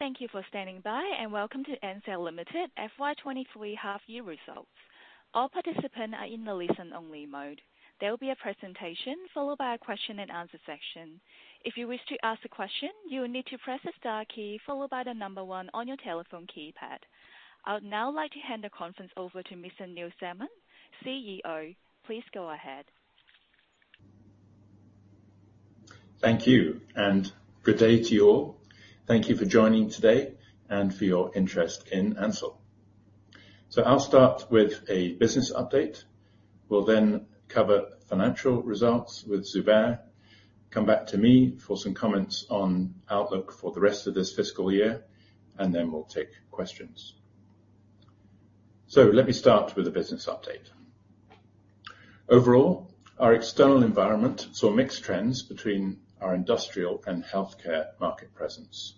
Thank you for standing by. Welcome to Ansell Limited FY23 half year results. All participant are in the listen only mode. There will be a presentation followed by a question and answer section. If you wish to ask a question, you will need to press the star key followed by the number one on your telephone keypad. I would now like to hand the conference over to Mr Neil Salmon, CEO. Please go ahead. Thank you, and good day to you all. Thank you for joining today and for your interest in Ansell. I'll start with a business update. We'll then cover financial results with Zubair, come back to me for some comments on outlook for the rest of this fiscal year, and then we'll take questions. Let me start with a business update. Overall, our external environment saw mixed trends between our industrial and healthcare market presence.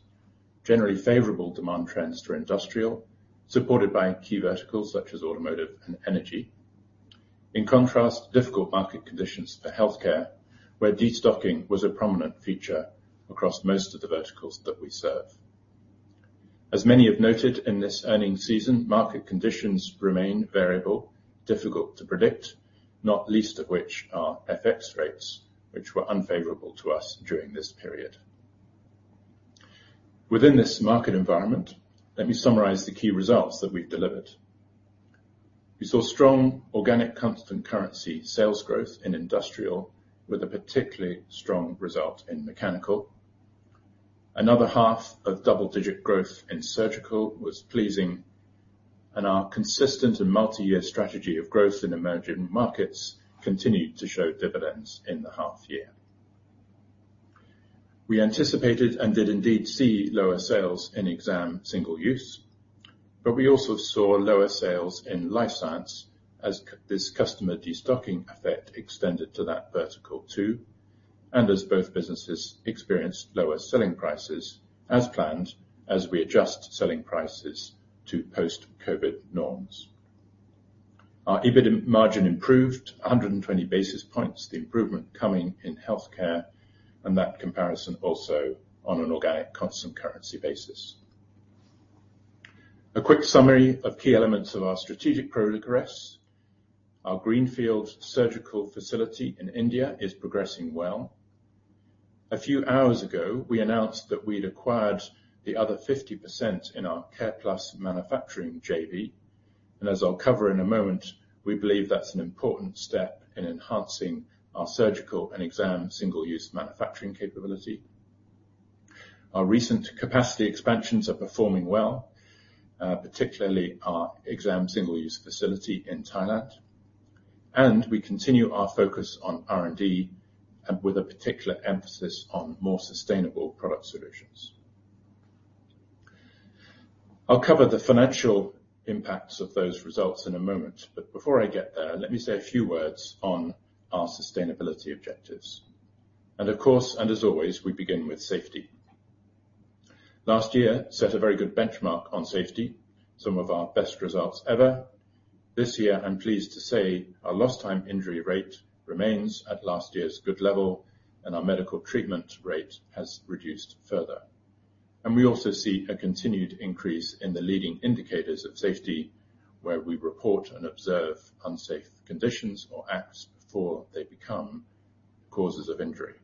Generally favorable demand trends for industrial, supported by key verticals such as automotive and energy. In contrast, difficult market conditions for healthcare, where destocking was a prominent feature across most of the verticals that we serve. As many have noted in this earning season, market conditions remain variable, difficult to predict, not least of which are FX rates, which were unfavorable to us during this period. Within this market environment, let me summarize the key results that we've delivered. We saw strong organic constant currency sales growth in industrial with a particularly strong result in mechanical. Another half of double-digit growth in surgical was pleasing. Our consistent and multi-year strategy of growth in emerging markets continued to show dividends in the half year. We anticipated and did indeed see lower sales in exam single-use, but we also saw lower sales in life science as this customer destocking effect extended to that vertical too, and as both businesses experienced lower selling prices as planned as we adjust selling prices to post-Covid norms. Our EBIT margin improved 120 basis points, the improvement coming in healthcare and that comparison also on an organic constant currency basis. A quick summary of key elements of our strategic progress. Our greenfield surgical facility in India is progressing well. A few hours ago, we announced that we'd acquired the other 50% in our Careplus manufacturing JV. As I'll cover in a moment, we believe that's an important step in enhancing our surgical and exam single-use manufacturing capability. Our recent capacity expansions are performing well, particularly our exam single-use facility in Thailand. We continue our focus on R&D and with a particular emphasis on more sustainable product solutions. I'll cover the financial impacts of those results in a moment, but before I get there, let me say a few words on our sustainability objectives. Of course, and as always, we begin with safety. Last year set a very good benchmark on safety. Some of our best results ever. This year, I'm pleased to say our lost time injury rate remains at last year's good level, and our medical treatment rate has reduced further. We also see a continued increase in the leading indicators of safety, where we report and observe unsafe conditions or acts before they become causes of injury.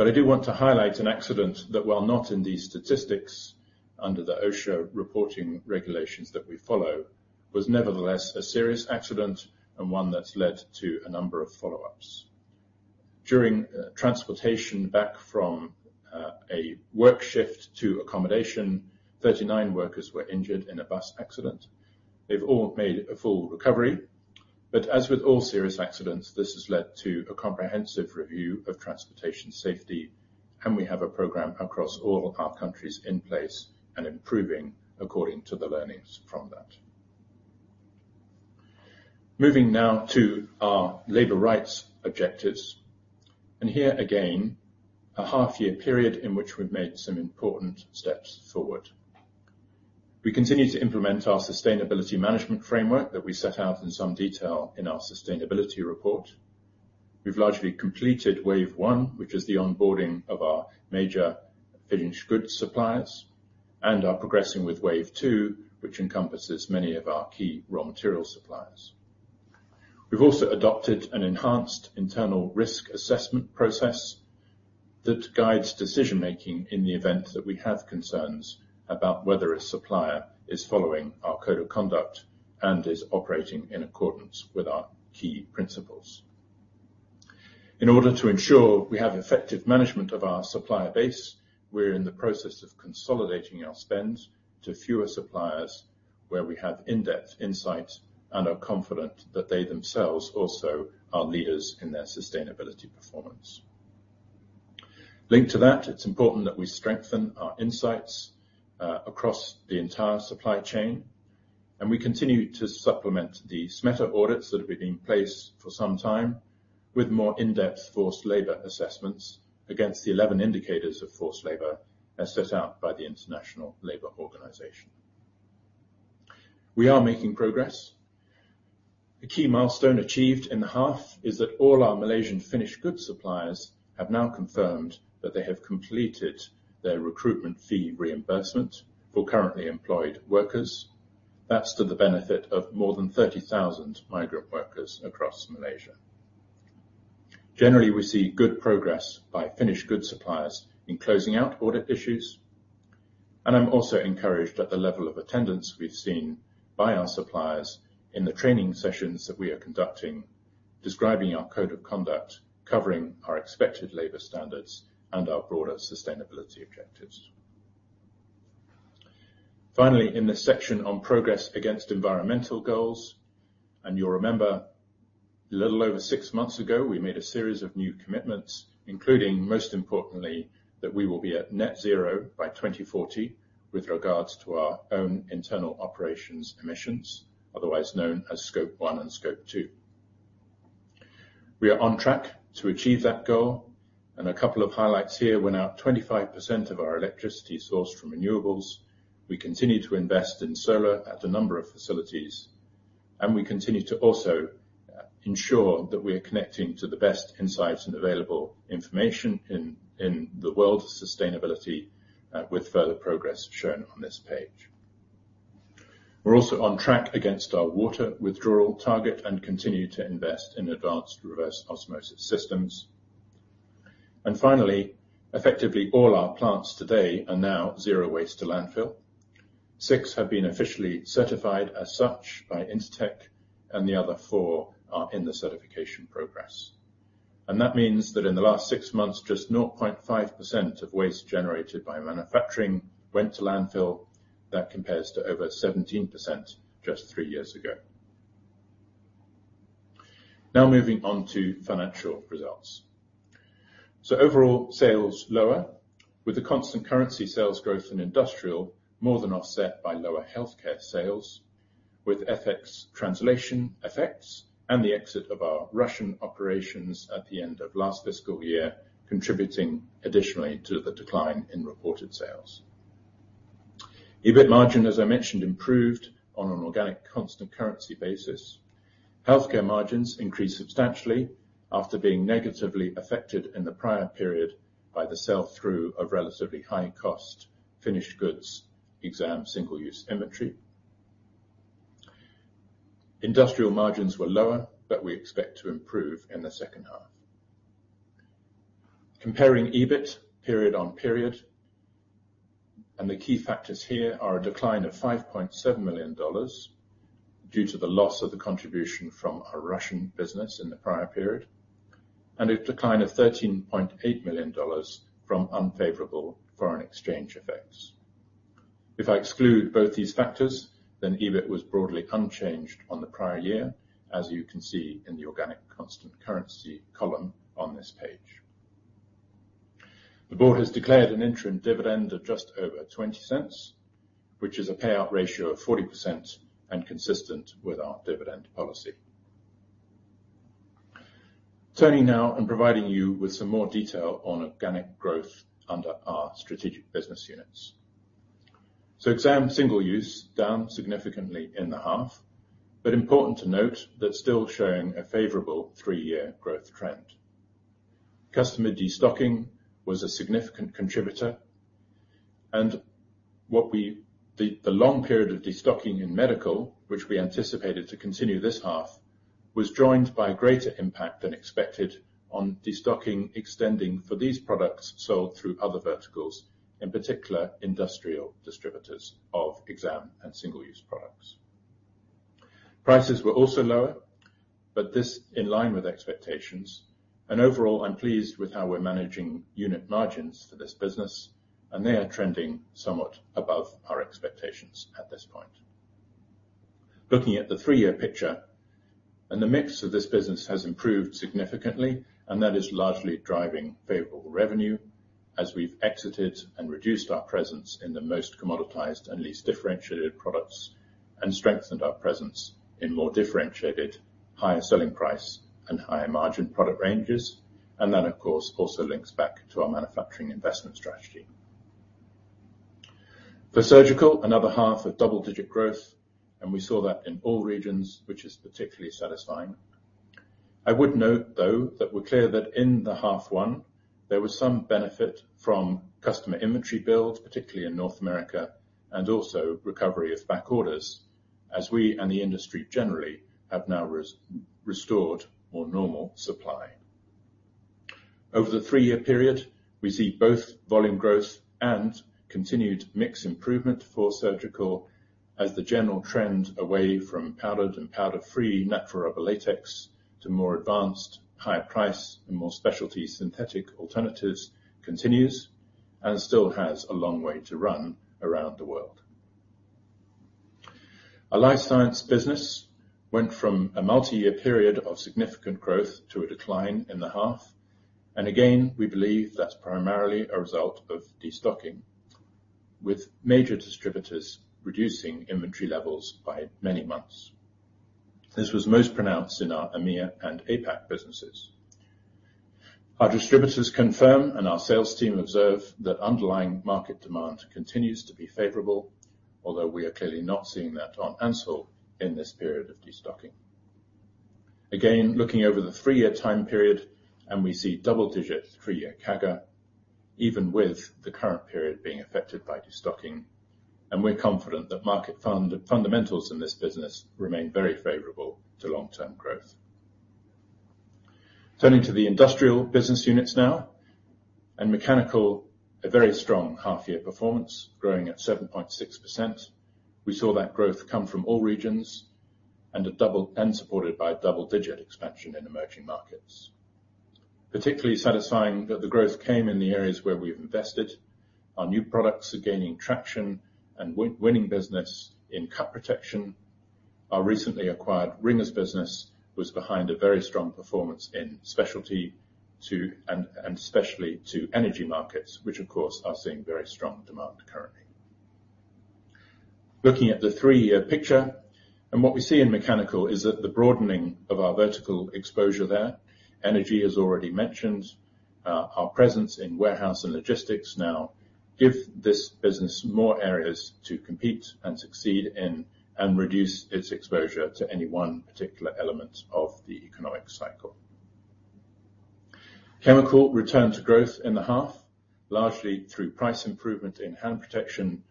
I do want to highlight an accident that, while not in these statistics, under the OSHA reporting regulations that we follow, was nevertheless a serious accident and one that's led to a number of follow-ups. During transportation back from a work shift to accommodation, 39 workers were injured in a bus accident. They've all made a full recovery. As with all serious accidents, this has led to a comprehensive review of transportation safety, and we have a program across all our countries in place and improving according to the learnings from that. Moving now to our labor rights objectives, here again, a half year period in which we've made some important steps forward. We continue to implement our Supplier Management Framework that we set out in some detail in our sustainability report. We've largely completed wave one, which is the onboarding of our major finished goods suppliers, and are progressing with wave two, which encompasses many of our key raw material suppliers. We've also adopted an enhanced internal risk assessment process that guides decision-making in the event that we have concerns about whether a supplier is following our code of conduct and is operating in accordance with our key principles. In order to ensure we have effective management of our supplier base, we're in the process of consolidating our spend to fewer suppliers where we have in-depth insight and are confident that they themselves also are leaders in their sustainability performance. Linked to that, it's important that we strengthen our insights across the entire supply chain, and we continue to supplement the SMETA audits that have been in place for some time with more in-depth forced labor assessments against the 11 indicators of forced labor as set out by the International Labour Organization. We are making progress. A key milestone achieved in the half is that all our Malaysian finished goods suppliers have now confirmed that they have completed their recruitment fee reimbursement for currently employed workers. That's to the benefit of more than 30,000 migrant workers across Malaysia. Generally, we see good progress by finished goods suppliers in closing out audit issues. I'm also encouraged at the level of attendance we've seen by our suppliers in the training sessions that we are conducting, describing our code of conduct, covering our expected labor standards and our broader sustainability objectives. Finally, in this section on progress against environmental goals, you'll remember a little over six months ago, we made a series of new commitments, including, most importantly, that we will be at net zero by 2040 with regards to our own internal operations emissions, otherwise known as Scope one and Scope two. We are on track to achieve that goal. A couple of highlights here. When our 25% of our electricity is sourced from renewables, we continue to invest in solar at a number of facilities, and we continue to also ensure that we are connecting to the best insights and available information in the world of sustainability with further progress shown on this page. We're also on track against our water withdrawal target and continue to invest in advanced reverse osmosis systems. Finally, effectively, all our plants today are now zero waste to landfill. Six have been officially certified as such by Intertek, and the other 4 are in the certification progress. That means that in the last 6 months, just 0.5% of waste generated by manufacturing went to landfill. That compares to over 17% just 3 years ago. Moving on to financial results. Overall sales lower with the constant currency sales growth in Industrial more than offset by lower Healthcare sales, with FX translation effects and the exit of our Russian operations at the end of last fiscal year, contributing additionally to the decline in reported sales. EBIT margin, as I mentioned, improved on an organic constant currency basis. Healthcare margins increased substantially after being negatively affected in the prior period by the sell-through of relatively high cost finished goods exam, single-use inventory. Industrial margins were lower, but we expect to improve in the second half. Comparing EBIT period on period, the key factors here are a decline of $5.7 million due to the loss of the contribution from our Russian business in the prior period, and a decline of $13.8 million from unfavorable foreign exchange effects. If I exclude both these factors, EBIT was broadly unchanged on the prior year, as you can see in the organic constant currency column on this page. The board has declared an interim dividend of just over $0.20, which is a payout ratio of 40% and consistent with our dividend policy. Turning now and providing you with some more detail on organic growth under our strategic business units. Exam single-use down significantly in the half, important to note that still showing a favorable three-year growth trend. Customer destocking was a significant contributor. The long period of destocking in medical, which we anticipated to continue this half, was joined by a greater impact than expected on destocking extending for these products sold through other verticals, in particular, industrial distributors of exam and single-use products. Prices were also lower, but this in line with expectations. Overall, I'm pleased with how we're managing unit margins for this business, and they are trending somewhat above our expectations at this point. Looking at the 3-year picture, and the mix of this business has improved significantly, and that is largely driving favorable revenue as we've exited and reduced our presence in the most commoditized and least differentiated products, and strengthened our presence in more differentiated, higher selling price and higher margin product ranges. That, of course, also links back to our manufacturing investment strategy. For surgical, another half of double-digit growth, and we saw that in all regions, which is particularly satisfying. I would note though, that we're clear that in H1, there was some benefit from customer inventory builds, particularly in North America, and also recovery of back orders as we and the industry generally have now restored more normal supply. Over the 3-year period, we see both volume growth and continued mix improvement for surgical as the general trend away from powdered and powder-free natural rubber latex to more advanced, higher price and more specialty synthetic alternatives continues and still has a long way to run around the world. Our life science business went from a multi-year period of significant growth to a decline in H1. Again, we believe that's primarily a result of destocking, with major distributors reducing inventory levels by many months. This was most pronounced in our EMEA and APAC businesses. Our distributors confirm and our sales team observe that underlying market demand continues to be favorable, although we are clearly not seeing that on Ansell in this period of destocking. Looking over the three-year time period, we see double digits three-year CAGR, even with the current period being affected by destocking, we're confident that market fundamentals in this business remain very favorable to long-term growth. Turning to the industrial business units now. In Mechanical, a very strong half-year performance, growing at 7.6%. We saw that growth come from all regions supported by double-digit expansion in emerging markets. Particularly satisfying that the growth came in the areas where we've invested. Our new products are gaining traction and winning business in cut protection. Our recently acquired Ringers business was behind a very strong performance in specialty, especially to energy markets, which of course, are seeing very strong demand currently. Looking at the three-year picture, what we see in Mechanical is that the broadening of our vertical exposure there. Energy is already mentioned. Our presence in warehouse and logistics now give this business more areas to compete and succeed in and reduce its exposure to any one particular element of the economic cycle. Chemical returned to growth in the half, largely through price improvement in hand protection,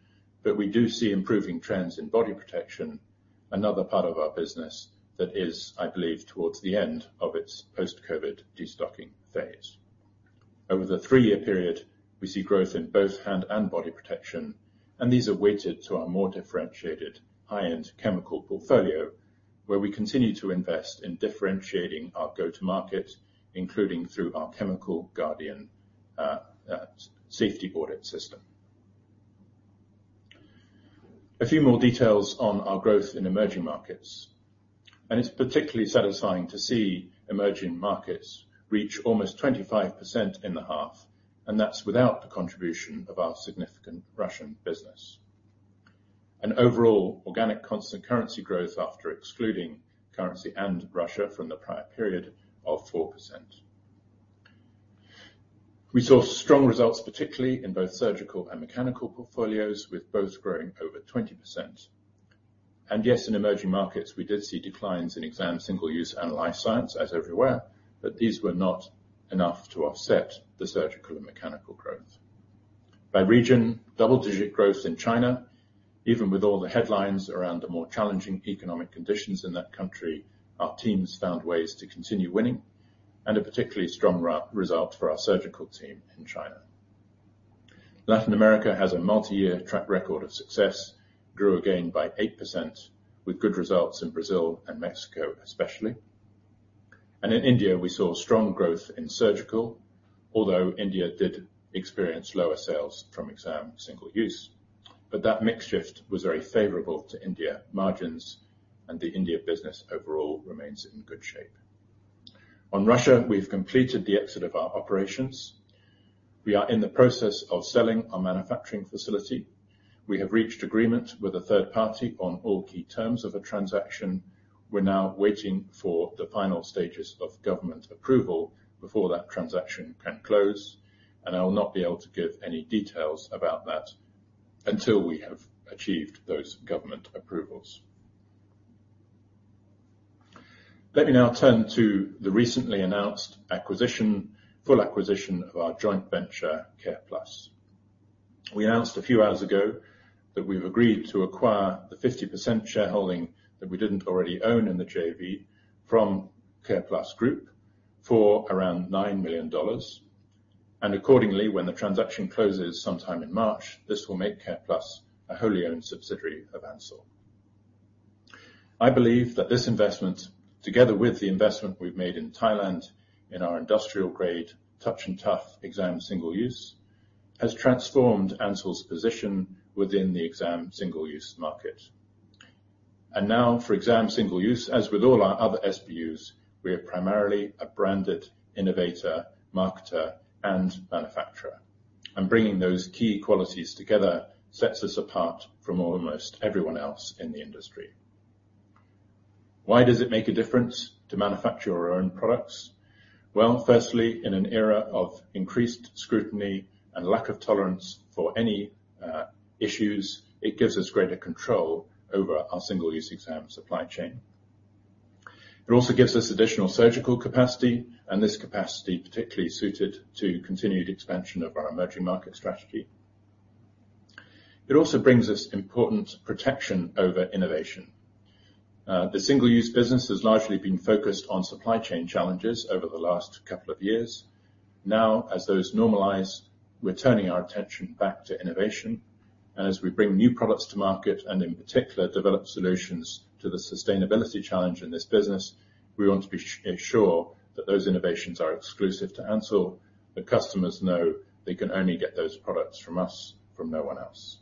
we do see improving trends in body protection, another part of our business that is, I believe, towards the end of its post-COVID destocking Phase. Over the 3-year period, we see growth in both hand and body protection, these are weighted to our more differentiated high-end chemical portfolio, where we continue to invest in differentiating our go-to market, including through our Chemical Guardian safety audit system. A few more details on our growth in emerging markets. It's particularly satisfying to see emerging markets reach almost 25% in the half, and that's without the contribution of our significant Russian business. An overall organic constant currency growth after excluding currency and Russia from the prior period of 4%. We saw strong results, particularly in both surgical and mechanical portfolios, with both growing over 20%. Yes, in emerging markets, we did see declines in exam, single-use and life science as everywhere, but these were not enough to offset the surgical and mechanical growth. By region, double-digit growth in China, even with all the headlines around the more challenging economic conditions in that country, our teams found ways to continue winning and a particularly strong result for our surgical team in China. Latin America has a multi-year track record of success, grew again by 8% with good results in Brazil and Mexico, especially. In India, we saw strong growth in surgical, although India did experience lower sales from exam single-use. That mix shift was very favorable to India margins, and the India business overall remains in good shape. On Russia, we've completed the exit of our operations. We are in the process of selling our manufacturing facility. We have reached agreement with a third party on all key terms of a transaction. We're now waiting for the final stages of government approval before that transaction can close. I will not be able to give any details about that until we have achieved those government approvals. Let me now turn to the recently announced acquisition, full acquisition of our joint venture, Careplus. We announced a few hours ago that we've agreed to acquire the 50% shareholding that we didn't already own in the JV from Careplus Group for around $9 million. Accordingly, when the transaction closes sometime in March, this will make Careplus a wholly owned subsidiary of Ansell. I believe that this investment, together with the investment we've made in Thailand in our industrial grade TouchNTuff exam single-use, has transformed Ansell's position within the exam single-use market. Now for exam single-use, as with all our other SBUs, we are primarily a branded innovator, marketer, and manufacturer. Bringing those key qualities together sets us apart from almost everyone else in the industry. Why does it make a difference to manufacture our own products? Well, firstly, in an era of increased scrutiny and lack of tolerance for any issues, it gives us greater control over our single-use exam supply chain. It also gives us additional surgical capacity, and this capacity particularly suited to continued expansion of our emerging market strategy. It also brings us important protection over innovation. The single-use business has largely been focused on supply chain challenges over the last couple of years. Now, as those normalize, we're turning our attention back to innovation. As we bring new products to market and in particular develop solutions to the sustainability challenge in this business, we want to ensure that those innovations are exclusive to Ansell, that customers know they can only get those products from us, from no one else.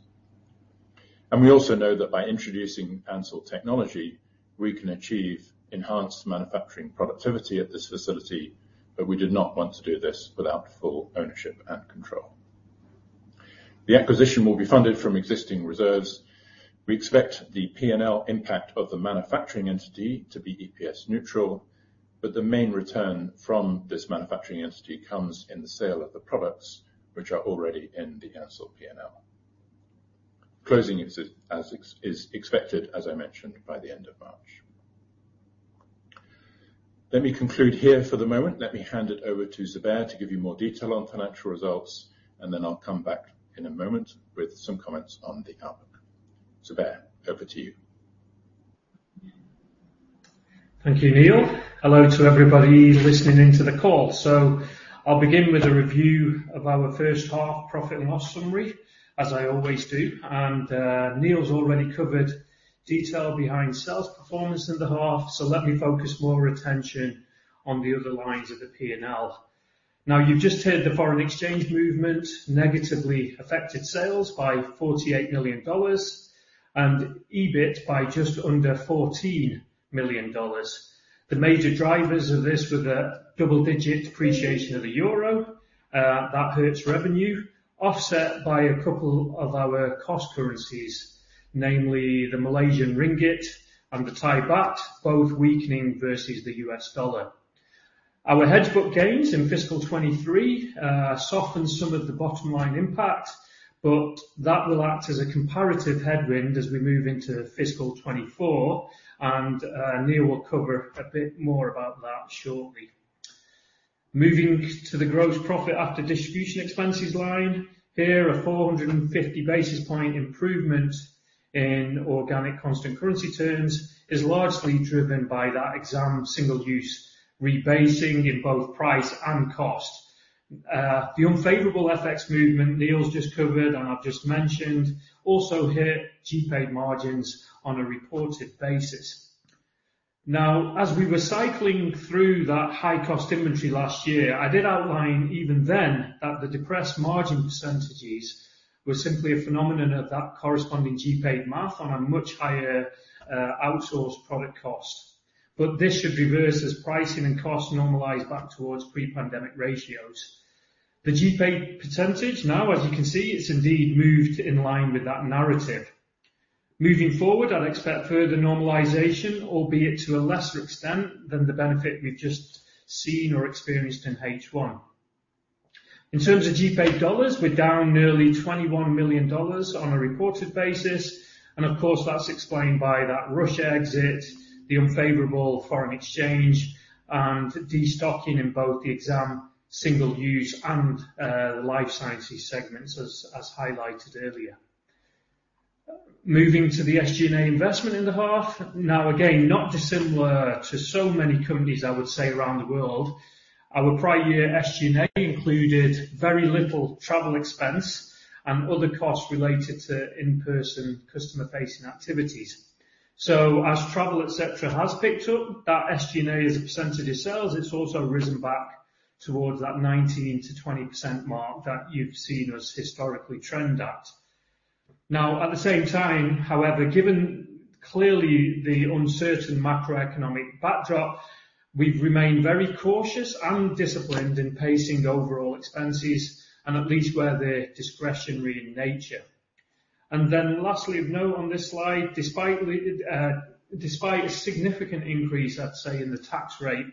We also know that by introducing Ansell technology, we can achieve enhanced manufacturing productivity at this facility, but we did not want to do this without full ownership and control. The acquisition will be funded from existing reserves. We expect the PNL impact of the manufacturing entity to be EPS neutral, but the main return from this manufacturing entity comes in the sale of the products which are already in the Ansell PNL. Closing is expected, as I mentioned, by the end of March. Let me conclude here for the moment. Let me hand it over to Zubair to give you more detail on financial results, and then I'll come back in a moment with some comments on the outlook. Zubair, over to you. Thank you, Neil. Hello to everybody listening in to the call. I'll begin with a review of our first half profit loss summary, as I always do. Neil's already covered detail behind sales performance in the half. Let me focus more attention on the other lines of the PNL. You've just heard the foreign exchange movement negatively affected sales by $48 million and EBIT by just under $14 million. The major drivers of this were the double-digit depreciation of the euro, that hurts revenue, offset by a couple of our cost currencies, namely the Malaysian ringgit and the Thai baht, both weakening versus the US dollar. Our hedge book gains in fiscal 2023 softened some of the bottom line impact, but that will act as a comparative headwind as we move into fiscal 2024 and Neil will cover a bit more about that shortly. Moving to the gross profit after distribution expenses line. Here, a 450 basis point improvement in organic constant currency terms is largely driven by that exam single use rebasing in both price and cost. The unfavorable FX movement Neil's just covered and I've just mentioned also hit GPADE margins on a reported basis. Now, as we were cycling through that high-cost inventory last year, I did outline even then that the depressed margin percentages were simply a phenomenon of that corresponding GPADE math on a much higher outsourced product cost. This should reverse as pricing and costs normalize back towards pre-pandemic ratios. The GPADE percentage now, as you can see, it's indeed moved in line with that narrative. Moving forward, I'd expect further normalization, albeit to a lesser extent than the benefit we've just seen or experienced in H1. In terms of GPADE dollars, we're down nearly $21 million on a reported basis, and of course that's explained by that Russia exit, the unfavorable foreign exchange and destocking in both the exam, single use and the life sciences segments as highlighted earlier. Moving to the SG&A investment in the half. Again, not dissimilar to so many companies I would say around the world, our prior year SG&A included very little travel expense and other costs related to in-person customer-facing activities. As travel, et cetera, has picked up, that SG&A as a percentage of sales, it's also risen back towards that 19%-20% mark that you've seen us historically trend at. At the same time, however, given clearly the uncertain macroeconomic backdrop, we've remained very cautious and disciplined in pacing the overall expenses and at least where they're discretionary in nature. Lastly of note on this slide, despite the despite a significant increase, I'd say in the tax rate,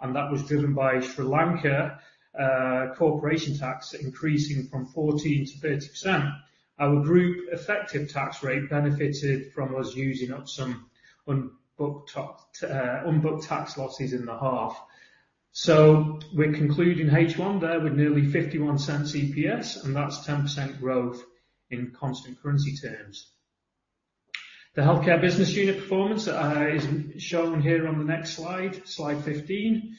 and that was driven by Sri Lanka, corporation tax increasing from 14%-30%, our group effective tax rate benefited from us using up some unbooked tax losses in the half. We conclude in H1 there with nearly $0.51 CPS, and that's 10% growth in constant currency terms. The healthcare business unit performance, is shown here on the next slide 15.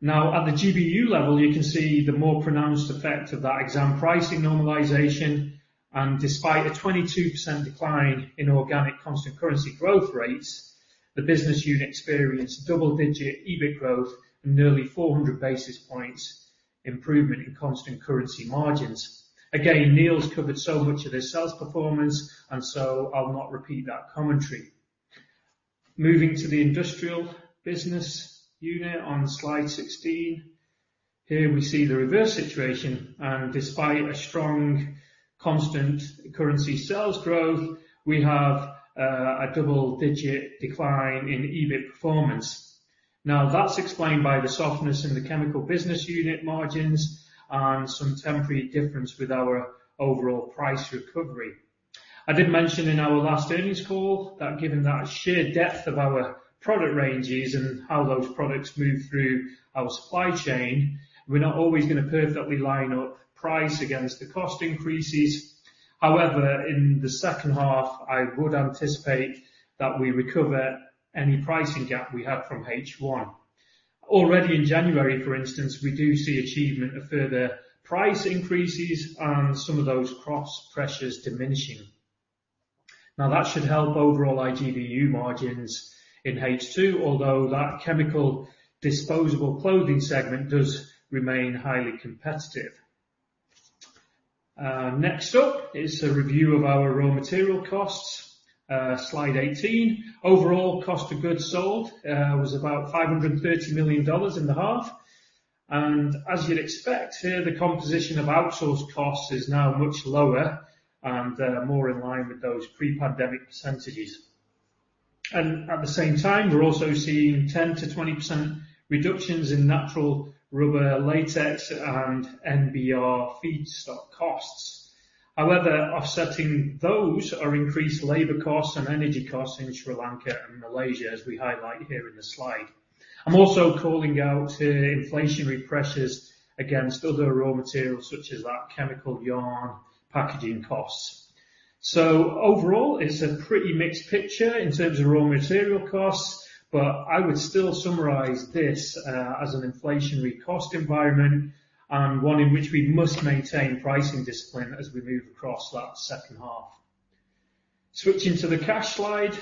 Now at the GBU level, you can see the more pronounced effect of that exam pricing normalization and despite a 22% decline in organic constant currency growth rates, the business unit experienced double-digit EBIT growth and nearly 400 basis points improvement in constant currency margins. Again, Neil's covered so much of this sales performance and so I'll not repeat that commentary. Moving to the industrial business unit on slide 16. Here we see the reverse situation, and despite a strong constant currency sales growth, we have a double-digit decline in EBIT performance. Now that's explained by the softness in the chemical business unit margins and some temporary difference with our overall price recovery. I did mention in our last earnings call that given that sheer depth of our product ranges and how those products move through our supply chain, we're not always going to perfectly line up price against the cost increases. In the second half, I would anticipate that we recover any pricing gap we have from H1. Already in January, for instance, we do see achievement of further price increases and some of those cross pressures diminishing. That should help overall IGBU margins in H2, although that chemical disposable clothing segment does remain highly competitive. Next up is a review of our raw material costs. Slide 18. Overall, cost of goods sold was about $530 million in the half. As you'd expect here, the composition of outsourced costs is now much lower and more in line with those pre-pandemic percentages. At the same time, we're also seeing 10%-20% reductions in natural rubber latex and NBR feedstock costs. However, offsetting those are increased labor costs and energy costs in Sri Lanka and Malaysia, as we highlight here in the slide. I'm also calling out here inflationary pressures against other raw materials such as that chemical yarn, packaging costs. Overall, it's a pretty mixed picture in terms of raw material costs, but I would still summarize this as an inflationary cost environment and one in which we must maintain pricing discipline as we move across that second half. Switching to the cash slide.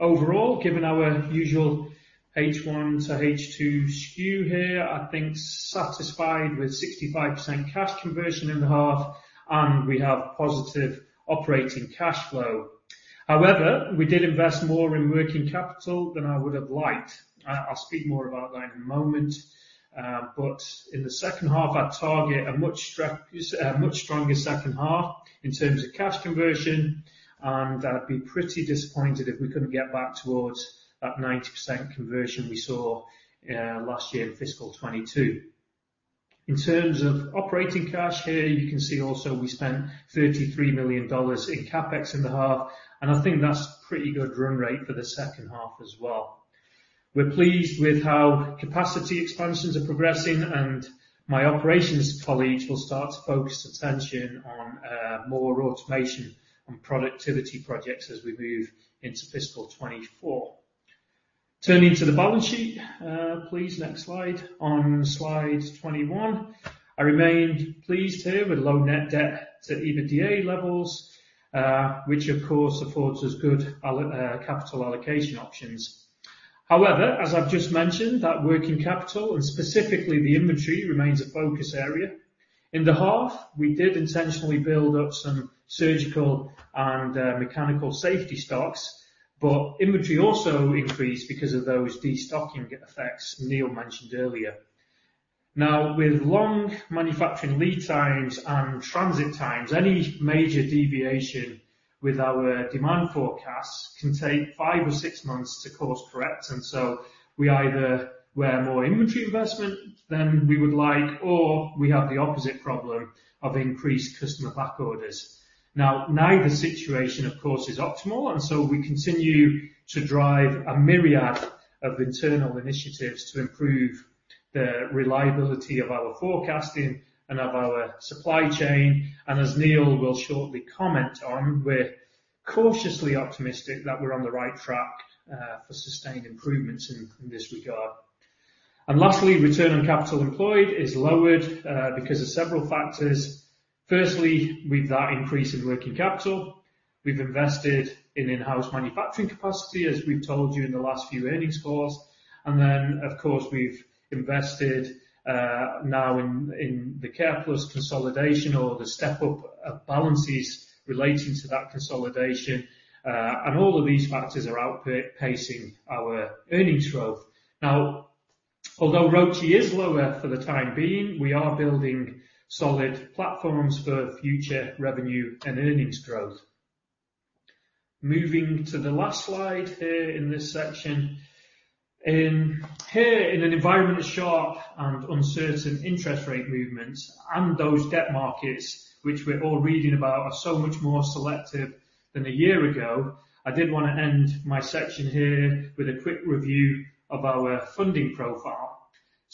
Overall, given our usual H1 to H2 skew here, I think satisfied with 65% cash conversion in the half, and we have positive operating cash flow. However, we did invest more in working capital than I would've liked. I'll speak more about that in a moment. In the second half, I target a much stronger second half in terms of cash conversion, and I'd be pretty disappointed if we couldn't get back towards that 90% conversion we saw last year in fiscal 22. In terms of operating cash here, you can see also we spent $33 million in CapEx in the half, and I think that's pretty good run rate for the second half as well. We're pleased with how capacity expansions are progressing, and my operations colleagues will start to focus attention on more automation and productivity projects as we move into fiscal 24. Turning to the balance sheet. Please, next slide. On slide 21. I remained pleased here with low net debt to EBITDA levels, which of course affords us good capital allocation options. As I've just mentioned, that working capital and specifically the inventory, remains a focus area. In the half, we did intentionally build up some surgical and mechanical safety stocks, but inventory also increased because of those destocking effects Neil mentioned earlier. With long manufacturing lead times and transit times, any major deviation with our demand forecasts can take 5 or 6 months to course correct. We either wear more inventory investment than we would like, or we have the opposite problem of increased customer backorders. Neither situation, of course, is optimal. We continue to drive a myriad of internal initiatives to improve the reliability of our forecasting and of our supply chain. As Neil will shortly comment on, we're cautiously optimistic that we're on the right track for sustained improvements in this regard. Lastly, return on capital employed is lowered because of several factors. Firstly, with that increase in working capital, we've invested in in-house manufacturing capacity, as we've told you in the last few earnings calls. Then, of course, we've invested now in the Careplus consolidation or the step up balances relating to that consolidation. All of these factors are outpacing our earnings growth. Now, although ROCE is lower for the time being, we are building solid platforms for future revenue and earnings growth. Moving to the last slide here in this section. In here, in an environment of sharp and uncertain interest rate movements and those debt markets which we're all reading about, are so much more selective than a year ago. I did want to end my section here with a quick review of our funding profile.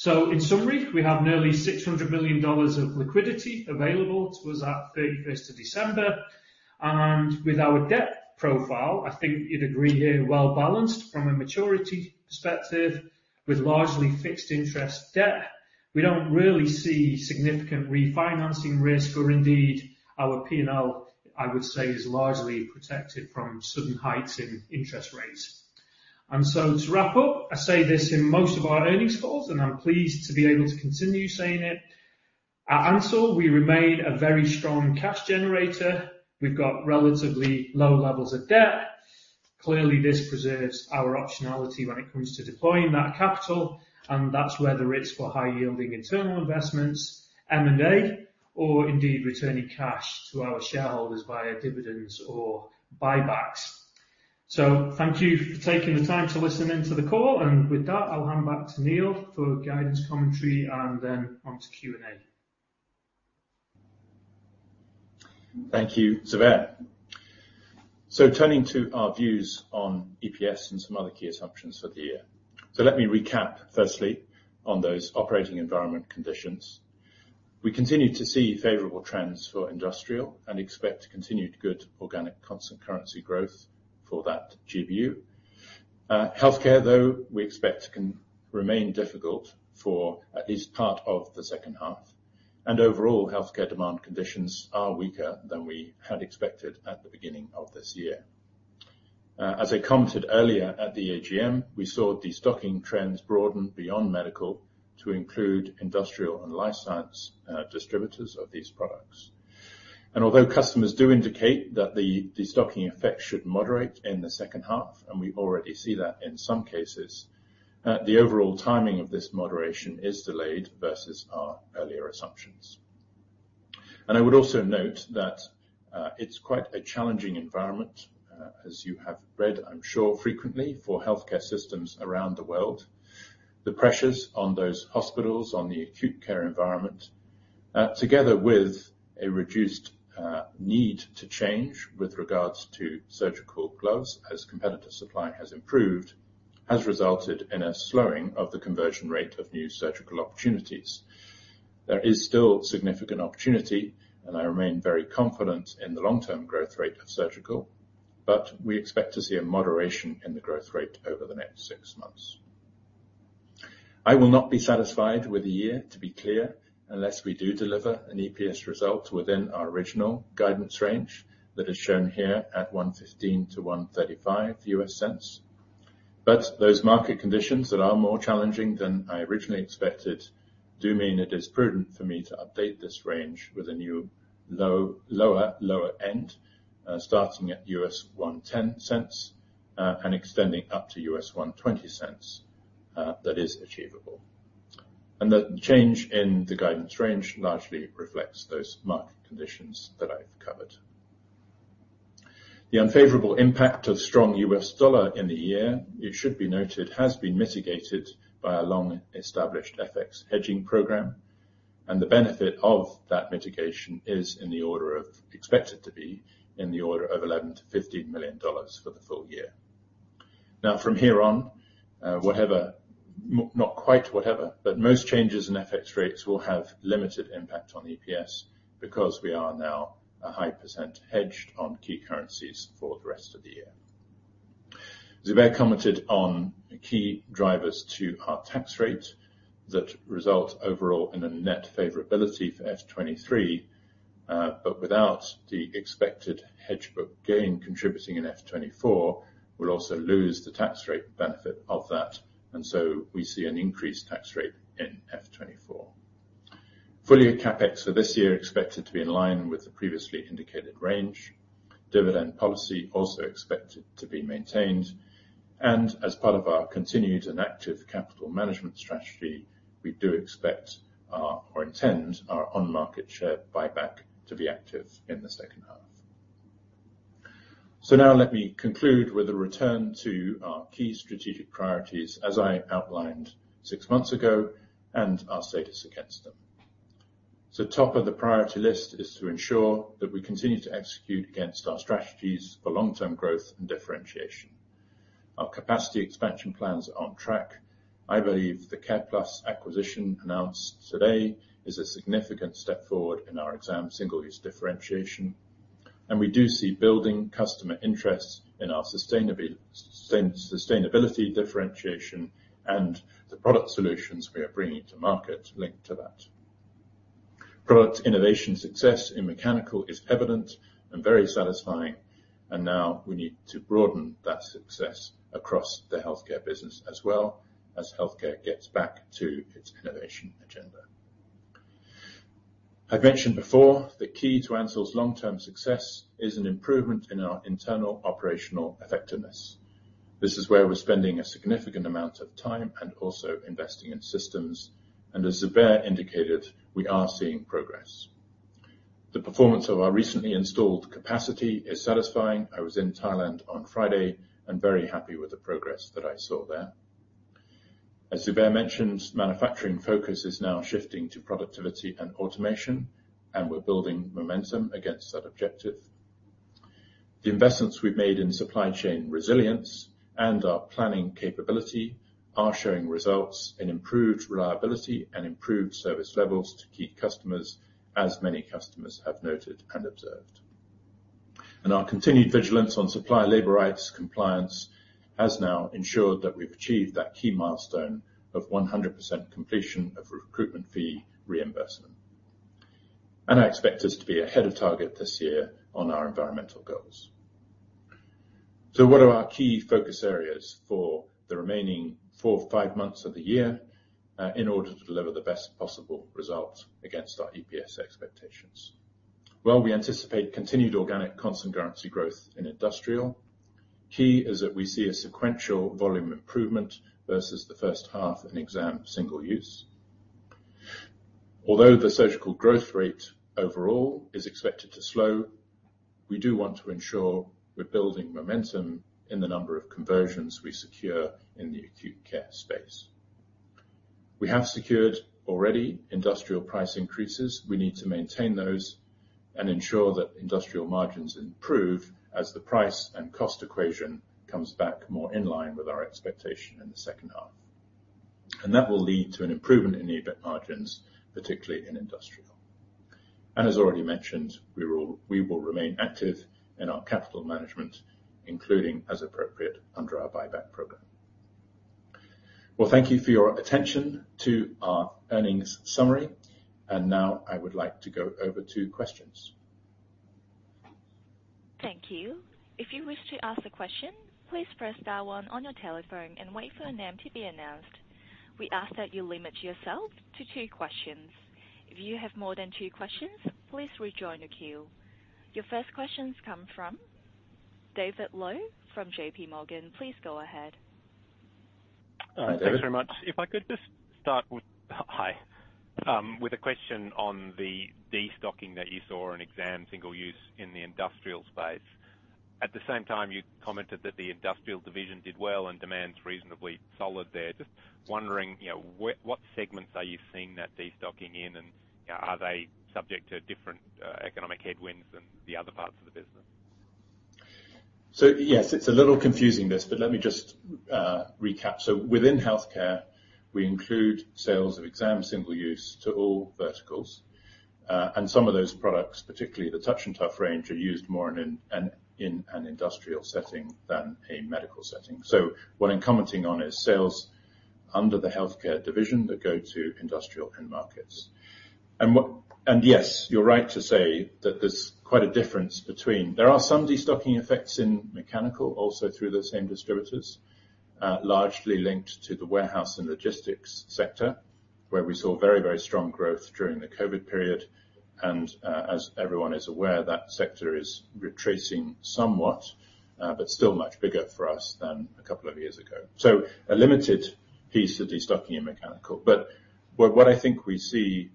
In summary, we have nearly $600 million of liquidity available to us at 31st of December. With our debt profile, I think you'd agree here, well-balanced from a maturity perspective with largely fixed interest debt. We don't really see significant refinancing risk or indeed our PNL, I would say, is largely protected from sudden heights in interest rates. To wrap up, I say this in most of our earnings calls, and I'm pleased to be able to continue saying it. At Ansell, we remain a very strong cash generator. We've got relatively low levels of debt. Clearly, this preserves our optionality when it comes to deploying that capital, and that's whether it's for high yielding internal investments, M&A, or indeed returning cash to our shareholders via dividends or buybacks. Thank you for taking the time to listen in to the call. With that, I'll hand back to Neil for guidance, commentary, and then onto Q&A. Thank you, Zubair. Turning to our views on EPS and some other key assumptions for the year. Let me recap firstly on those operating environment conditions. We continue to see favorable trends for industrial and expect continued good organic constant currency growth for that GBU. Healthcare, though, we expect can remain difficult for at least part of the second half. Overall healthcare demand conditions are weaker than we had expected at the beginning of this year. As I commented earlier at the AGM, we saw destocking trends broaden beyond medical to include industrial and life science distributors of these products. Although customers do indicate that the stocking effect should moderate in the second half, and we already see that in some cases, the overall timing of this moderation is delayed versus our earlier assumptions. I would also note that, it's quite a challenging environment, as you have read, I'm sure, frequently for healthcare systems around the world. The pressures on those hospitals, on the acute care environment, together with a reduced, need to change with regards to surgical gloves as competitor supply has improved, has resulted in a slowing of the conversion rate of new surgical opportunities. There is still significant opportunity, and I remain very confident in the long-term growth rate of surgical, but we expect to see a moderation in the growth rate over the next six months. I will not be satisfied with the year, to be clear, unless we do deliver an EPS result within our original guidance range that is shown here at $1.15 to 1.35. Those market conditions that are more challenging than I originally expected do mean it is prudent for me to update this range with a new low, lower end, starting at $1.10 and extending up to $1.20 that is achievable. The change in the guidance range largely reflects those market conditions that I've covered. The unfavorable impact of strong US dollar in the year, it should be noted, has been mitigated by our long-established FX hedging program, and the benefit of that mitigation is in the order of expected to be in the order of $11 to 15 million for the full year. From here on, whatever, not quite whatever, but most changes in FX rates will have limited impact on EPS because we are now a high % hedged on key currencies for the rest of the year. Zubair commented on key drivers to our tax rate that result overall in a net favorability for F-23, but without the expected hedge book gain contributing in F-24, we'll also lose the tax rate benefit of that. We see an increased tax rate in F-24. Full-year CapEx for this year expected to be in line with the previously indicated range. Dividend policy also expected to be maintained. As part of our continued and active capital management strategy, we do expect our, or intend our on-market share buyback to be active in the second half. Now let me conclude with a return to our key strategic priorities as I outlined six months ago and our status against them. Top of the priority list is to ensure that we continue to execute against our strategies for long-term growth and differentiation. Our capacity expansion plans are on track. I believe the Careplus acquisition announced today is a significant step forward in our exam single-use differentiation. We do see building customer interest in our sustainability differentiation and the product solutions we are bringing to market linked to that. Product innovation success in mechanical is evident and very satisfying. Now we need to broaden that success across the healthcare business as well as healthcare gets back to its innovation agenda. I've mentioned before that key to Ansell's long-term success is an improvement in our internal operational effectiveness. This is where we're spending a significant amount of time and also investing in systems. As Zubair indicated, we are seeing progress. The performance of our recently installed capacity is satisfying. I was in Thailand on Friday and very happy with the progress that I saw there. As Zubair mentioned, manufacturing focus is now shifting to productivity and automation, and we're building momentum against that objective. The investments we've made in supply chain resilience and our planning capability are showing results in improved reliability and improved service levels to keep customers, as many customers have noted and observed. Our continued vigilance on supply labor rights compliance has now ensured that we've achieved that key milestone of 100% completion of recruitment fee reimbursement. I expect us to be ahead of target this year on our environmental goals. What are our key focus areas for the remaining four or five months of the year, in order to deliver the best possible result against our EPS expectations? We anticipate continued organic constant currency growth in industrial. Key is that we see a sequential volume improvement versus the first half in exam single-use. Although the surgical growth rate overall is expected to slow, we do want to ensure we're building momentum in the number of conversions we secure in the acute care space. We have secured already industrial price increases. We need to maintain those and ensure that industrial margins improve as the price and cost equation comes back more in line with our expectation in the second half. That will lead to an improvement in EBIT margins, particularly in industrial. As already mentioned, we will remain active in our capital management, including as appropriate under our buyback program. Well, thank you for your attention to our earnings summary. Now I would like to go over to questions. Thank you. If you wish to ask the question, please press star one on your telephone and wait for your name to be announced. We ask that you limit yourself to two questions. If you have more than two questions, please rejoin the queue. Your first questions come from David Low from JP Morgan. Please go ahead. Hi, David. Thanks very much. If I could just start with, hi, with a question on the destocking that you saw in exam single-use in the industrial space. At the same time, you commented that the industrial division did well and demand's reasonably solid there. Just wondering, what segments are you seeing that destocking in, and are they subject to different economic headwinds than the other parts of the business? Yes, it's a little confusing this, but let me just recap. Within healthcare, we include sales of exam single-use to all verticals. Some of those products, particularly the Touch N Tuff range, are used more in an industrial setting than a medical setting. What I'm commenting on is sales under the healthcare division that go to industrial end markets. Yes, you're right to say that there's quite a difference between. There are some destocking effects in mechanical, also through the same distributors, largely linked to the warehouse and logistics sector, where we saw very, very strong growth during the COVID period, as everyone is aware, that sector is retracing somewhat, but still much bigger for us than a couple of years ago. A limited piece of destocking in mechanical. What I think we see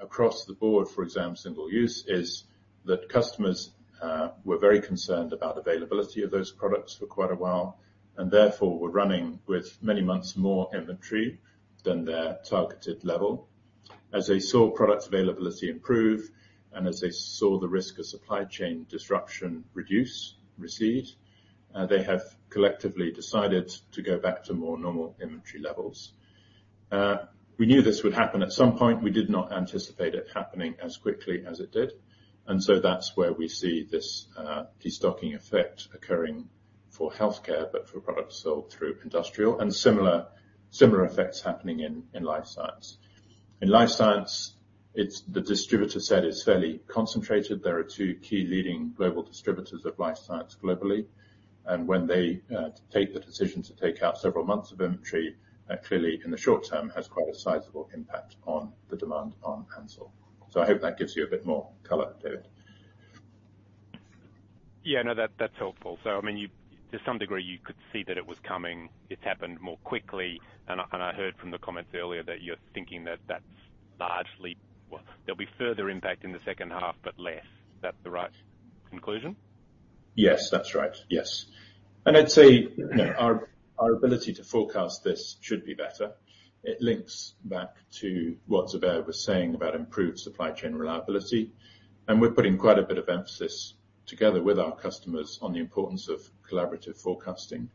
across the board, single-use is that customers, were very concerned about availability of those products for quite a while, and therefore were running with many months more inventory than their targeted level. As they saw product availability improve and as they saw the risk of supply chain disruption reduce, recede, they have collectively decided to go back to more normal inventory levels. We knew this would happen at some point. We did not anticipate it happening as quickly as it did, and so that's where we see this, destocking effect occurring for healthcare, but for products sold through industrial, and similar effects happening in life science. In life science, it's the distributor set is fairly concentrated. There are two key leading global distributors of life science globally, and when they take the decision to take out several months of inventory, clearly in the short term has quite a sizable impact on the demand on Ansell. I hope that gives you a bit more color, David. Yeah, no, that's helpful. I mean, you to some degree could see that it was coming, it's happened more quickly and I heard from the comments earlier that you're thinking that that's largely, well, there'll be further impact in the second half, but less. Is that the right conclusion? Yes, that's right. Yes. I'd say, our ability to forecast this should be better. It links back to what Zubair was saying about improved supply chain reliability, and we're putting quite a bit of emphasis together with our customers on the importance of collaborative forecasting.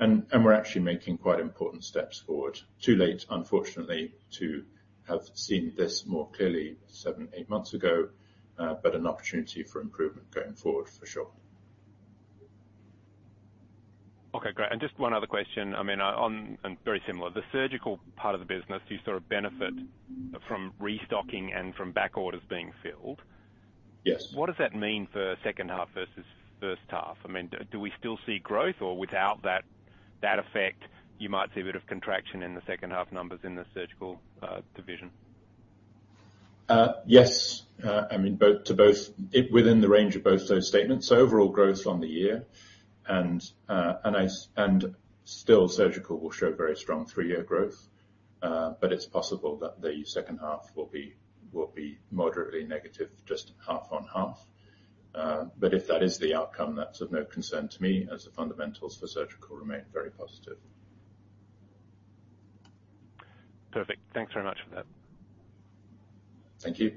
We're actually making quite important steps forward. Too late, unfortunately, to have seen this more clearly seven, eight months ago, but an opportunity for improvement going forward for sure. Okay, great. Just one other question. On very similar. The surgical part of the business, you sort of benefit from restocking and from back orders being filled. Yes. What does that mean for second half versus first half? Do we still see growth? Or without that effect, you might see a bit of contraction in the second half numbers in the surgical division? Yes. Within the range of both those statements. Overall growth on the year and still surgical will show very strong three-year growth, but it's possible that the second half will be moderately negative just half on half. If that is the outcome, that's of no concern to me, as the fundamentals for surgical remain very positive. Perfect. Thanks very much for that. Thank you.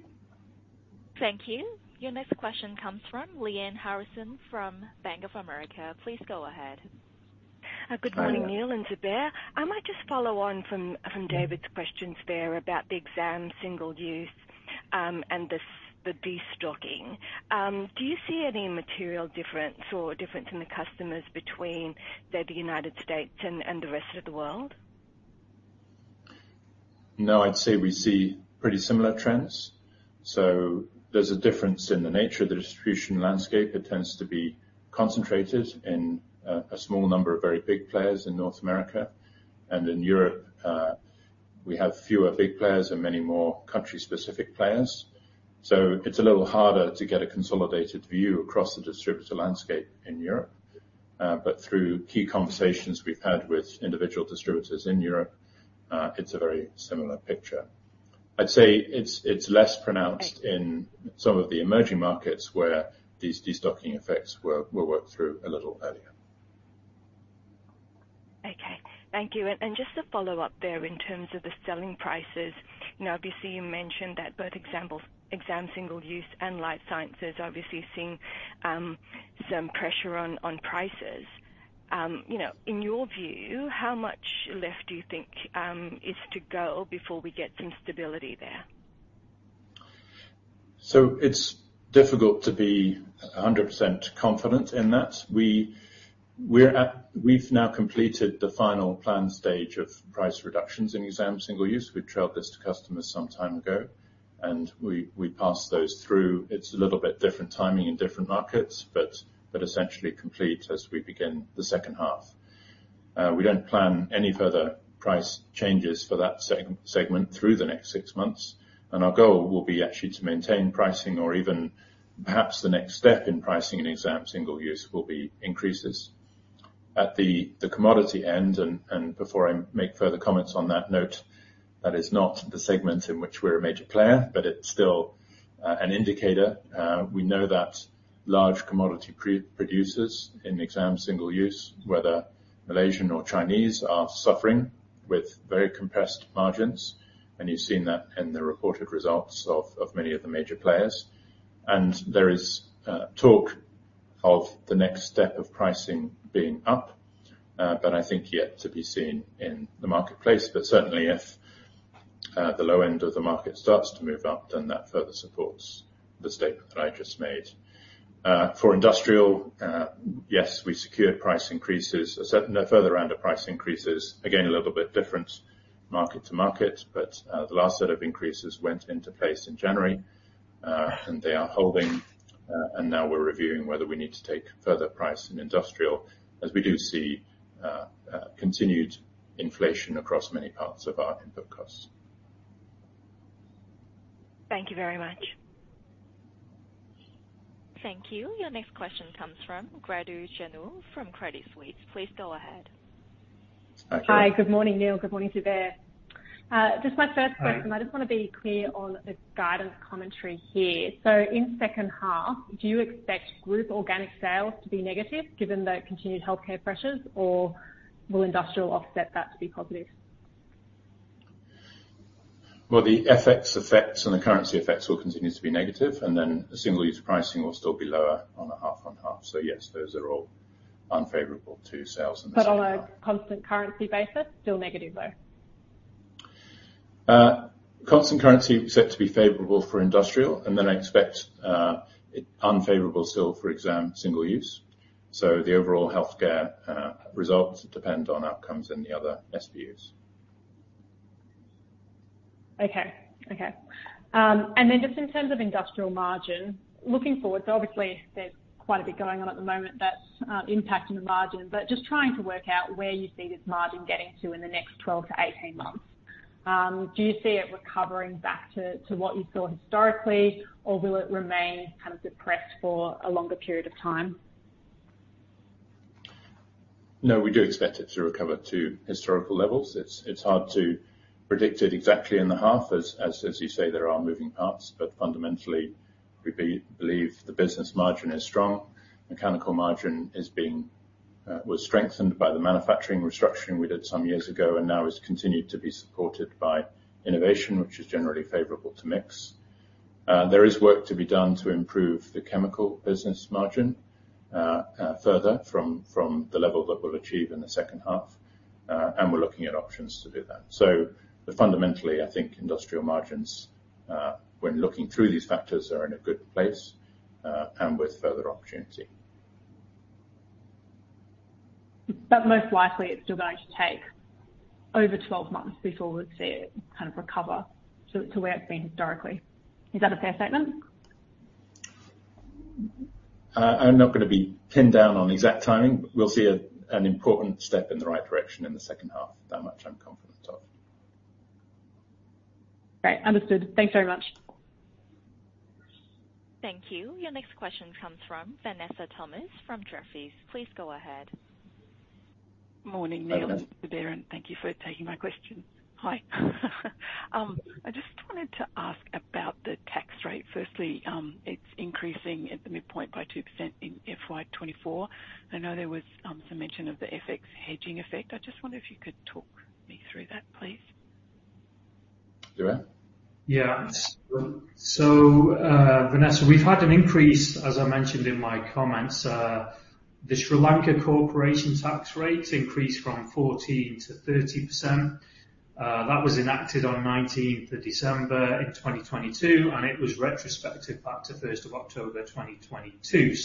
Thank you. Your next question comes from Lyanne Harrison from Bank of America. Please go ahead. Hi, Lyanne. Good morning, Neil and Zubair. I might just follow on from David's questions there about the exam single use, and the destocking. Do you see any material difference or difference in the customers between the United States and the rest of the world? No, I'd say we see pretty similar trends. There's a difference in the nature of the distribution landscape. It tends to be concentrated in a small number of very big players in North America. In Europe, we have fewer big players and many more country-specific players. It's a little harder to get a consolidated view across the distributor landscape in Europe. Through key conversations we've had with individual distributors in Europe, it's a very similar picture. I'd say it's less pronounced- Okay. in some of the emerging markets where these destocking effects were worked through a little earlier. Okay. Thank you. Just to follow up there in terms of the selling prices, obviously you mentioned that both examples, single use and life sciences, obviously seeing some pressure on prices. in your view, how much left do you think is to go before we get some stability there? It's difficult to be 100% confident in that. We've now completed the final plan stage of price reductions in exam single use. We trailed this to customers some time ago, and we passed those through. It's a little bit different timing in different markets, but essentially complete as we begin the second half. We don't plan any further price changes for that segment through the next six months. Our goal will be actually to maintain pricing or even perhaps the next step in pricing in exam single use will be increases. At the commodity end, and before I make further comments on that note, that is not the segment in which we're a major player, but it's still an indicator. We know that large commodity producers in exam single use, whether Malaysian or Chinese, are suffering with very compressed margins. You've seen that in the reported results of many of the major players. There is talk of the next step of pricing being up, but I think yet to be seen in the marketplace. Certainly if the low end of the market starts to move up, then that further supports the statement that I just made. For industrial, yes, we secured price increases. A further round of price increases. Again, a little bit different market to market. The last set of increases went into place in January, and they are holding, and now we're reviewing whether we need to take further price in industrial as we do see continued inflation across many parts of our input costs. Thank you very much. Thank you. Your next question comes from Gretel Janu from Credit Suisse. Please go ahead. Hi, Gretel Janu. Hi. Good morning, Neil. Good morning, Zubair. Just my first question. Hi. I just want to be clear on the guidance commentary here. In second half, do you expect group organic sales to be negative given the continued healthcare pressures, or will industrial offset that to be positive? The FX effects and the currency effects will continue to be negative, and then the single use pricing will still be lower on the half on half. Yes, those are all unfavorable to sales in the second half. On a constant currency basis, still negative though? Constant currency set to be favorable for industrial. I expect it unfavorable still for exam single use. The overall healthcare results depend on outcomes in the other SBUs. Okay. Just in terms of industrial margin, looking forward, so obviously there's quite a bit going on at the moment that's impacting the margin, but just trying to work out where you see this margin getting to in the next 12-18 months. Do you see it recovering back to what you saw historically, or will it remain kind of depressed for a longer period of time? We do expect it to recover to historical levels. It's hard to predict it exactly in the half as you say, there are moving parts. Fundamentally, we believe the business margin is strong. Mechanical margin is being was strengthened by the manufacturing restructuring we did some years ago and now has continued to be supported by innovation, which is generally favorable to mix. There is work to be done to improve the chemical business margin further from the level that we'll achieve in the second half. We're looking at options to do that. Fundamentally, I think industrial margins, when looking through these factors, are in a good place, with further opportunity. Most likely it's still going to take over 12 months before we see it kind of recover to where it's been historically. Is that a fair statement? I'm not going to be pinned down on exact timing. We'll see an important step in the right direction in the Second Half. That much I'm confident of. Great. Understood. Thanks very much. Thank you. Your next question comes from Vanessa Thomson from Jefferies. Please go ahead. Morning, Neil. Hi, Vanessa. Zubair. Thank you for taking my question. Hi. I just wanted to ask about the tax rate. Firstly, it's increasing at the midpoint by 2% in FY24. I know there was some mention of the FX hedging effect. I just wonder if you could talk me through that please. Zubair? Vanessa, we've had an increase, as I mentioned in my comments. The Sri Lanka corporation tax rate increased from 14%-30%. That was enacted on 19th of December in 2022, and it was retrospective back to 1st of October 2022.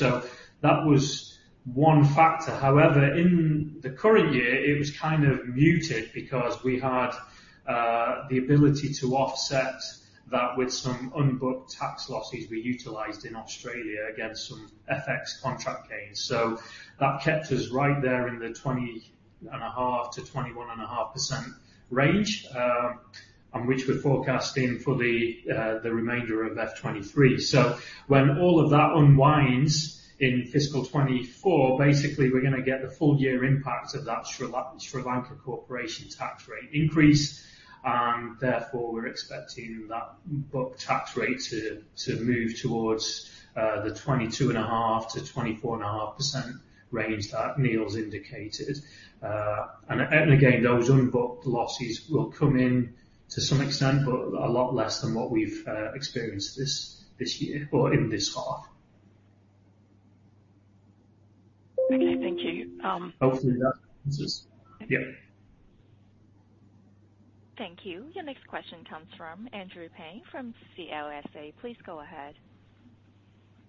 That was one factor. However, in the current year it was kind of muted because we had the ability to offset that with some unbooked tax losses we utilized in Australia against some FX contract gains. That kept us right there in the 20.5%-21.5% range, and which we're forecasting for the remainder of FY23. When all of that unwinds in fiscal 2024, basically we're going to get the full year impact of that Sri Lanka corporation tax rate increase. Therefore we're expecting that booked tax rate to move towards the 22.5%-24.5% range that Neil's indicated. Again, those unbooked losses will come in to some extent, but a lot less than what we've experienced this year or in this half. Okay, thank you. Hopefully that answers. Yeah. Thank you. Your next question comes from Andrew Paine from CLSA. Please go ahead.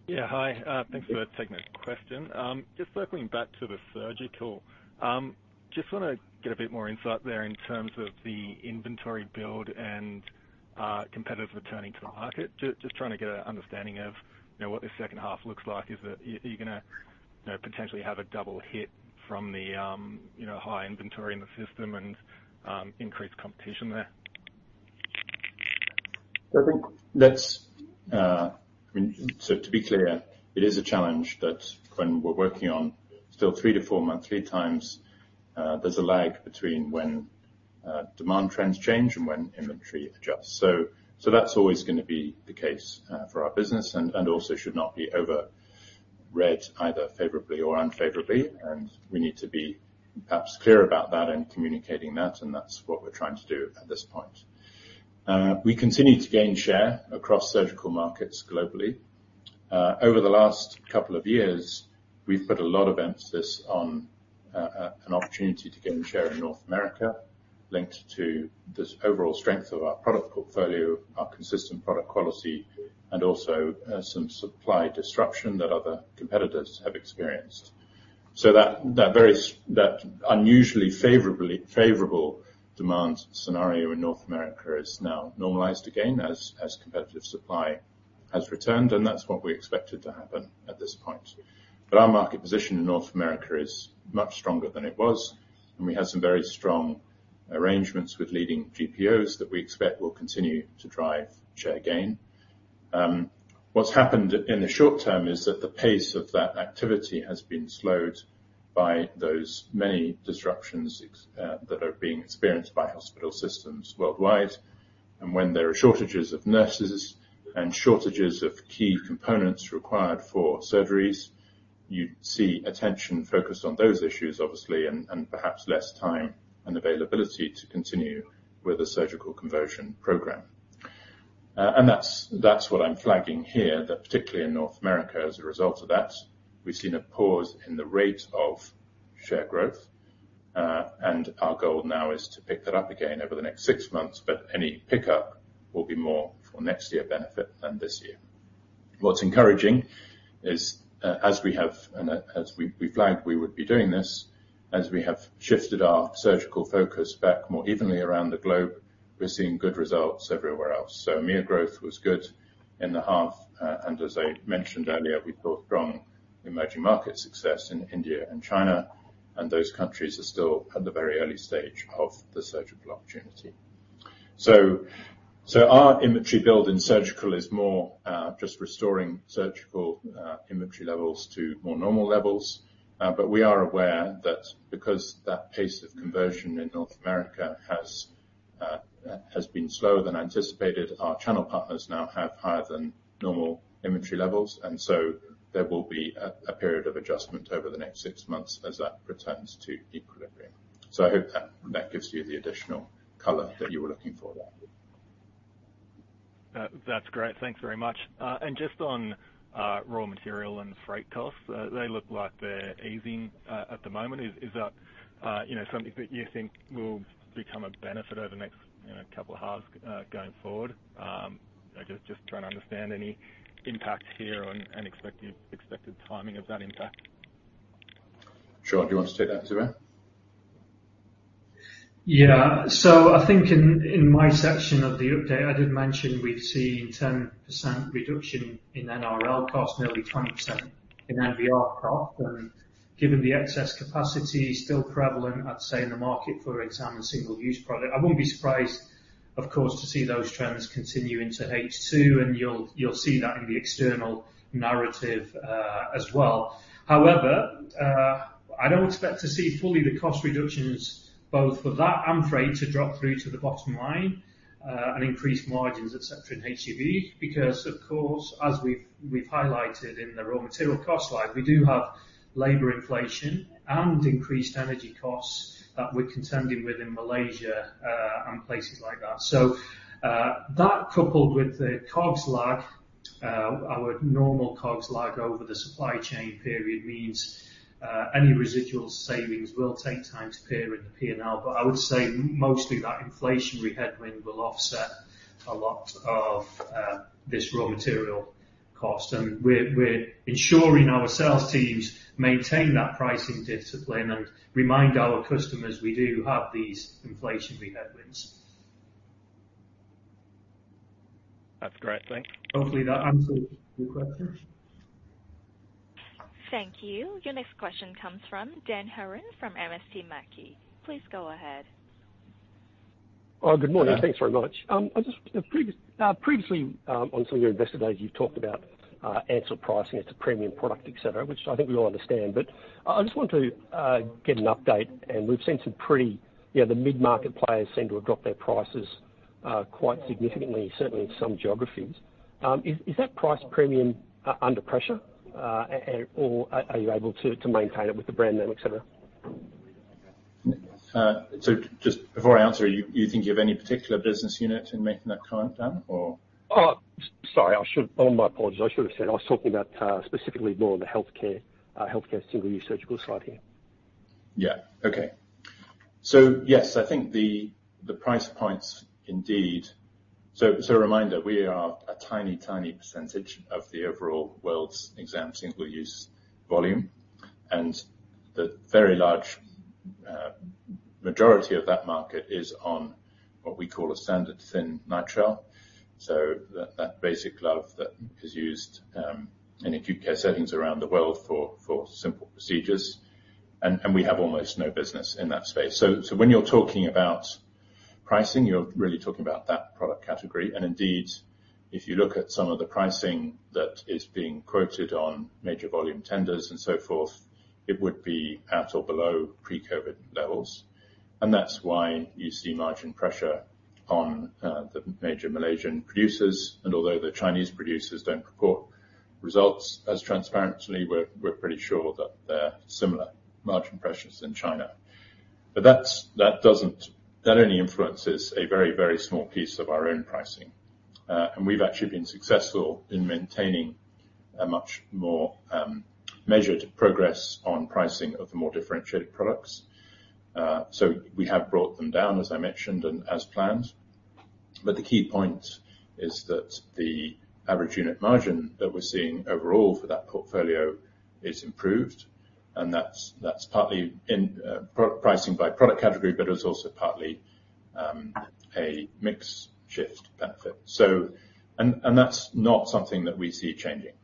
Yeah, hi. Thanks for taking this question. Just circling back to the surgical. Just want to get a bit more insight there in terms of the inventory build and competitive returning to the market. Just trying to get an understanding of, what this second half looks like. Are you going to, potentially have a double hit from the, high inventory in the system and increased competition there? I think that's, I mean, so to be clear, it is a challenge that when we're working on still three to four monthly times, there's a lag between when demand trends change and when inventory adjusts. That's always going to be the case, for our business and also should not be over read either favorably or unfavorably. We need to be perhaps clear about that and communicating that, and that's what we're trying to do at this point. We continue to gain share across surgical markets globally. Over the last couple of years, we've put a lot of emphasis on an opportunity to gain share in North America linked to this overall strength of our product portfolio, our consistent product quality, and also some supply disruption that other competitors have experienced. That very unusually favorable demand scenario in North America is now normalized again as competitive supply has returned, and that's what we expected to happen at this point. Our market position in North America is much stronger than it was, and we have some very strong arrangements with leading GPOs that we expect will continue to drive share gain. What's happened in the short term is that the pace of that activity has been slowed by those many disruptions experienced by hospital systems worldwide. When there are shortages of nurses and shortages of key components required for surgeries, you see attention focused on those issues, obviously, and perhaps less time and availability to continue with the surgical conversion program. That's what I'm flagging here, that particularly in North America as a result of that, we've seen a pause in the rate of share growth, and our goal now is to pick that up again over the next six months, but any pickup will be more for next year benefit than this year. What's encouraging is, as we have and as we flagged we would be doing this, as we have shifted our surgical focus back more evenly around the globe, we're seeing good results everywhere else. EMEA growth was good in the half, and as I mentioned earlier, we've built strong emerging market success in India and China, and those countries are still at the very early stage of the surgical opportunity. Our inventory build in surgical is more just restoring surgical inventory levels to more normal levels. But we are aware that because that pace of conversion in North America has been slower than anticipated, our channel partners now have higher than normal inventory levels, and there will be a period of adjustment over the next six months as that returns to equilibrium. I hope that gives you the additional color that you were looking for there. That's great. Thanks very much. Just on raw material and freight costs, they look like they're easing at the moment. Is that, something that you think will become a benefit over the next, couple halves, going forward? Just trying to understand any impacts here and expected timing of that impact. Zubair, do you want to take that as well? I think in my section of the update, I did mention we've seen 10% reduction in NRL costs, nearly 20% in NBR costs. Given the excess capacity still prevalent, I'd say in the market for exam and single-use product, I wouldn't be surprised, of course, to see those trends continue into H2, and you'll see that in the external narrative as well. I don't expect to see fully the cost reductions both for that and freight to drop through to the bottom line and increase margins, et cetera, in H2, because of course, as we've highlighted in the raw material cost slide, we do have labor inflation and increased energy costs that we're contending with in Malaysia and places like that. That coupled with the COGS lag, our normal COGS lag over the supply chain period means any residual savings will take time to appear in the P&L. I would say mostly that inflationary headwind will offset a lot of this raw material cost. We're ensuring our sales teams maintain that pricing discipline and remind our customers we do have these inflationary headwinds. That's great. Thanks. Hopefully that answers your question. Thank you. Your next question comes from Dan Hurren from MST Marquee. Please go ahead. Good morning. Thanks very much. I just previously on some of your Investor Days, you've talked about Ansell pricing. It's a premium product, et cetera, which I think we all understand. I just want to get an update, and we've seen some pretty, the mid-market players seem to have dropped their prices quite significantly, certainly in some geographies. Is that price premium under pressure? Or are you able to maintain it with the brand name, et cetera? Just before I answer, are you thinking of any particular business unit in making that comment, Dan, or? All my apologies. I should have said. I was talking about, specifically more on the healthcare single-use surgical side here. Yeah. Okay. So yes, the price points indeed. A reminder, we are a tiny percentage of the overall world's exam single-use volume, and the very large majority of that market is on what we call a standard thin nitrile. That basic glove that is used in acute care settings around the world for simple procedures. And we have almost no business in that space. When you're talking about pricing, you're really talking about that product category. Indeed, if you look at some of the pricing that is being quoted on major volume tenders and so forth, it would be at or below pre-COVID levels. That's why you see margin pressure on the major Malaysian producers. Although the Chinese producers don't report results as transparently, we're pretty sure that they're similar margin pressures in China. That's, that only influences a very, very small piece of our own pricing. We've actually been successful in maintaining a much more measured progress on pricing of the more differentiated products. We have brought them down, as I mentioned, and as planned. The key point is that the average unit margin that we're seeing overall for that portfolio is improved, and that's partly in pricing by product category, but it's also partly a mix shift benefit. That's not something that we see changing.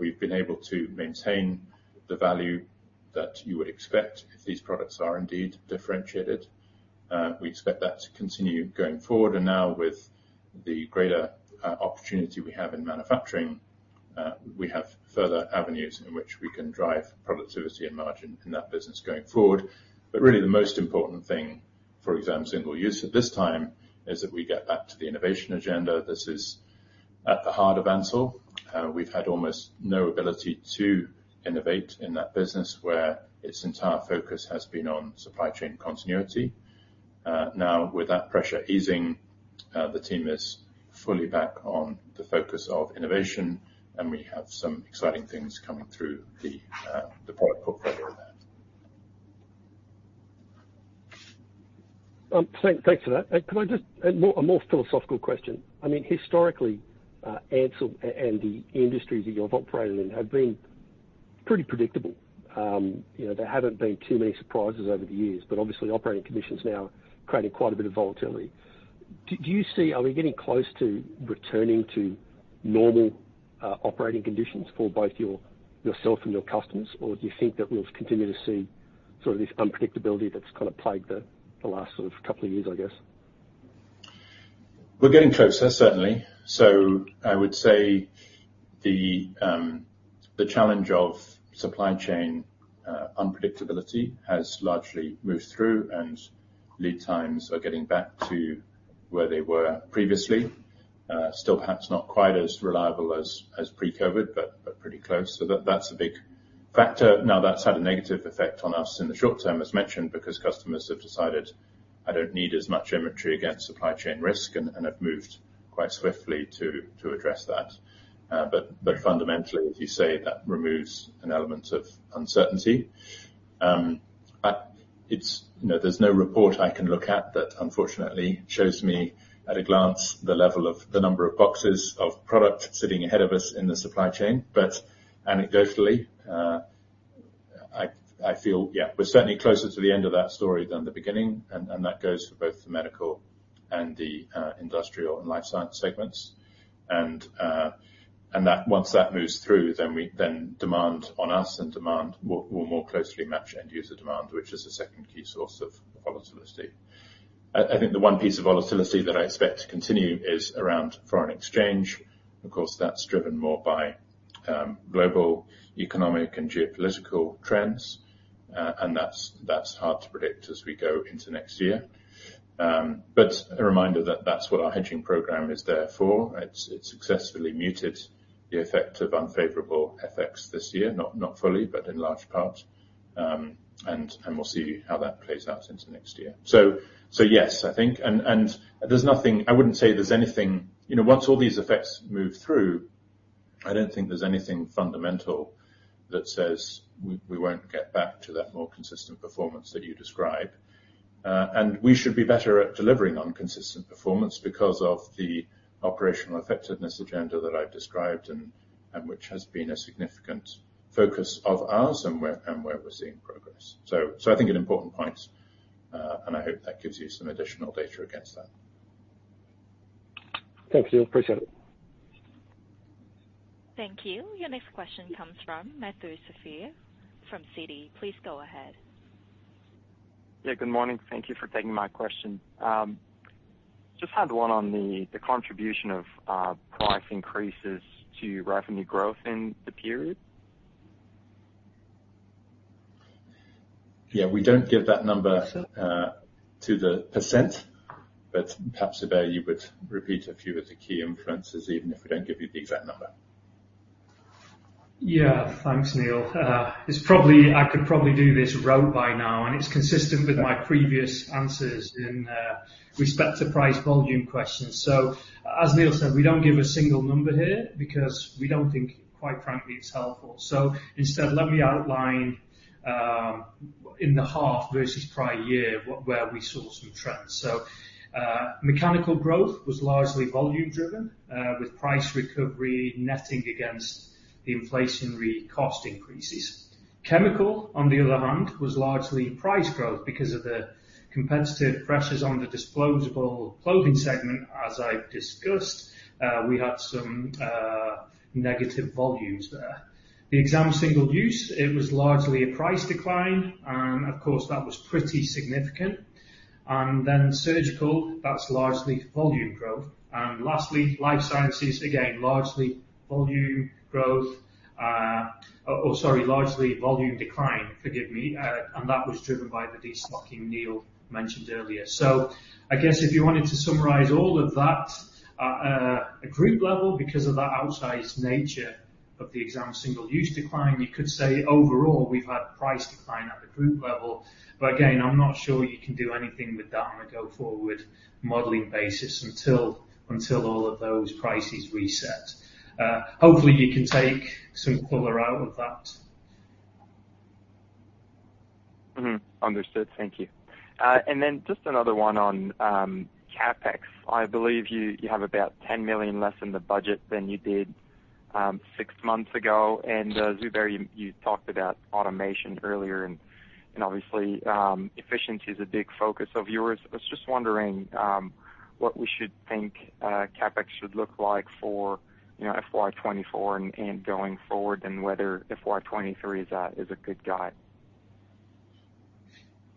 We've been able to maintain the value that you would expect if these products are indeed differentiated. We expect that to continue going forward. Now with the greater opportunity we have in manufacturing, we have further avenues in which we can drive productivity and margin in that business going forward. Really the most important thing, for single-use at this time, is that we get back to the innovation agenda. This is at the heart of Ansell. We've had almost no ability to innovate in that business where its entire focus has been on supply chain continuity. Now with that pressure easing, the team is fully back on the focus of innovation, and we have some exciting things coming through the product portfolio there. Thanks for that. A more philosophical question. I mean, historically, Ansell and the industries that you have operated in have been pretty predictable. there haven't been too many surprises over the years, but obviously operating conditions now creating quite a bit of volatility. Do you see, are we getting close to returning to normal operating conditions for both yourself and your customers? Or do you think that we'll continue to see sort of this unpredictability that's kind of plagued the last sort of couple of years I guess? We're getting closer, certainly. I would say the challenge of supply chain unpredictability has largely moved through and lead times are getting back to where they were previously. Still perhaps not quite as reliable as pre-COVID, but pretty close. That's a big factor. That's had a negative effect on us in the short term, as mentioned, because customers have decided, "I don't need as much inventory against supply chain risk," and have moved quite swiftly to address that. But fundamentally, as you say, that removes an element of uncertainty. there's no report I can look at that unfortunately shows me at a glance the level of the number of boxes of product sitting ahead of us in the supply chain. Anecdotally, I feel, yeah, we're certainly closer to the end of that story than the beginning. Once that moves through, then demand on us and demand will more closely match end user demand, which is the second key source of volatility. I think the one piece of volatility that I expect to continue is around foreign exchange. Of course, that's driven more by global economic and geopolitical trends. That's hard to predict as we go into next year. A reminder that that's what our hedging program is there for. It successfully muted the effect of unfavorable FX this year. Not fully, but in large part. We'll see how that plays out into next year. Yes, I think. There's nothing I wouldn't say there's anything, once all these effects move through, I don't think there's anything fundamental that says we won't get back to that more consistent performance that you describe. We should be better at delivering on consistent performance because of the operational effectiveness agenda that I've described and which has been a significant focus of ours and where we're seeing progress. I think an important point, and I hope that gives you some additional data against that. Thank you. Appreciate it. Thank you. Your next question comes from Mathieu Chevrier from Citi. Please go ahead. Good morning. Thank you for taking my question. Just had one on the contribution of price increases to revenue growth in the period. Yeah, we don't give that number to the percent, but perhaps, Abe, you would repeat a few of the key influences even if we don't give you the exact number. Yeah. Thanks, Neil. I could probably do this rote by now, and it's consistent with my previous answers in respect to price volume questions. As Neil said, we don't give a single number here because we don't think, quite frankly, it's helpful. Instead, let me outline in the half versus prior year where we saw some trends. Mechanical growth was largely volume driven with price recovery netting against the inflationary cost increases. Chemical, on the other hand, was largely price growth because of the competitive pressures on the disposable clothing segment, as I discussed, we had some negative volumes there. The exam single use, it was largely a price decline, and of course, that was pretty significant. Surgical, that's largely volume growth. Lastly, life sciences, again, largely volume growth, or sorry, largely volume decline. Forgive me. That was driven by the destocking Neil mentioned earlier. I guess if you wanted to summarize all of that at a group level because of that outsized nature of the exam single-use decline, you could say overall we've had price decline at the group level. Again, I'm not sure you can do anything with that on a go forward modeling basis until all of those prices reset. Hopefully you can take some color out of that. Understood. Thank you. Just another one on CapEx. I believe you have about $10 million less in the budget than you did six months ago. Zubair, you talked about automation earlier and obviously efficiency is a big focus of yours. I was just wondering what we should think CapEx should look like for, FY 2024 and going forward, and whether FY 2023 is a good guide.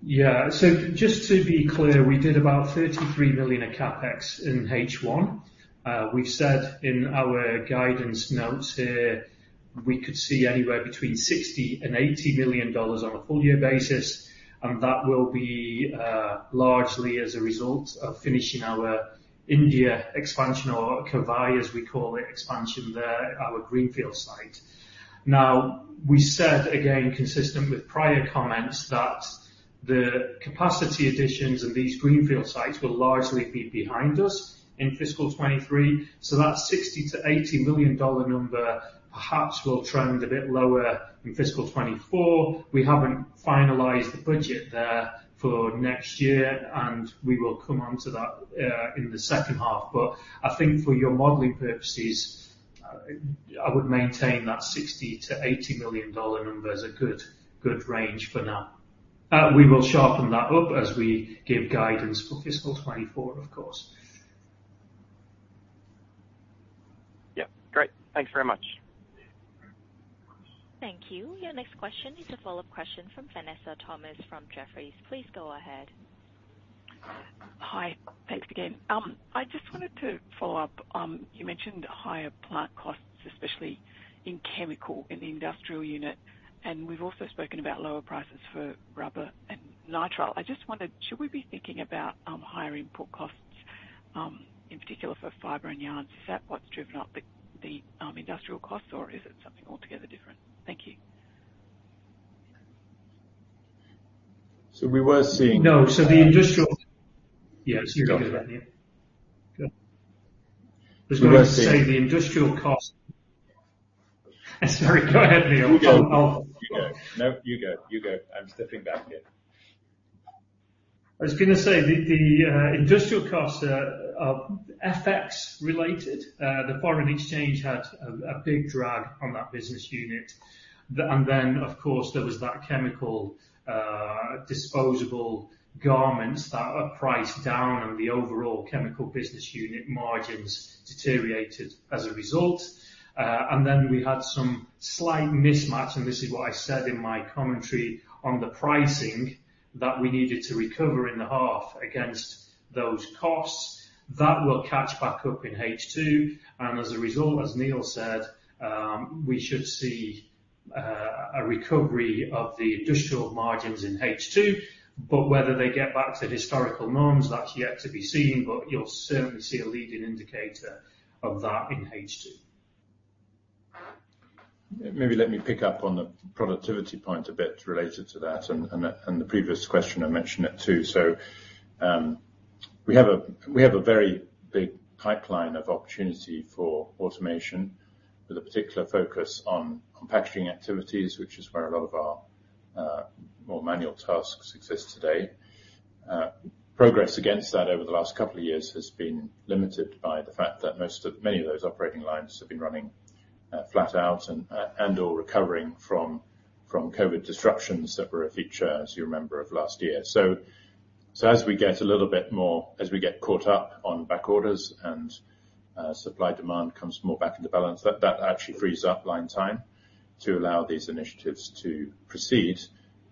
Just to be clear, we did about $33 million of CapEx in H1. We've said in our guidance notes here we could see anywhere between $60 to 80 million on a full year basis, that will be largely as a result of finishing our India expansion or Kovai, as we call it, expansion there, our greenfield site. We said again, consistent with prior comments, that the capacity additions of these greenfield sites will largely be behind us in fiscal 23. That $60 to 80 million number perhaps will trend a bit lower in fiscal 24. We haven't finalized the budget there for next year, we will come onto that in H2. I think for your modeling purposes, I would maintain that $60 to 80 million number is a good range for now. We will sharpen that up as we give guidance for fiscal 24, of course. Yeah. Great. Thanks very much. Thank you. Your next question is a follow-up question from Vanessa Thomson, from Jefferies. Please go ahead. Hi. Thanks again. I just wanted to follow up. You mentioned higher plant costs, especially in chemical in the industrial unit, and we've also spoken about lower prices for rubber and nitrile. I just wondered, should we be thinking about higher input costs, in particular for fiber and yarn? Is that what's driven up the industrial costs, or is it something altogether different? Thank you. So we were seeing- No. The industrial. Es, you go ahead, Neil. We were seeing. I was going to say the industrial cost. Sorry. Go ahead, Neil. You go. No, you go I'm stepping back here. I was going to say the industrial costs are FX related. The foreign exchange had a big drag on that business unit. Of course, there was that chemical disposable garments that are priced down and the overall chemical business unit margins deteriorated as a result. We had some slight mismatch, and this is what I said in my commentary on the pricing that we needed to recover in the half against those costs. That will catch back up in H2. As a result, as Neil said, we should see a recovery of the industrial margins in H2, whether they get back to historical norms, that's yet to be seen, you'll certainly see a leading indicator of that in H2. Maybe let me pick up on the productivity point a bit related to that and the previous question I mentioned it too. We have a very big pipeline of opportunity for automation with a particular focus on packaging activities, which is where a lot of our more manual tasks exist today. Progress against that over the last couple of years has been limited by the fact that many of those operating lines have been running flat out and/or recovering from COVID disruptions that were a feature, as you remember, of last year. As we get caught up on back orders and supply-demand comes more back into balance, that actually frees up line time to allow these initiatives to proceed.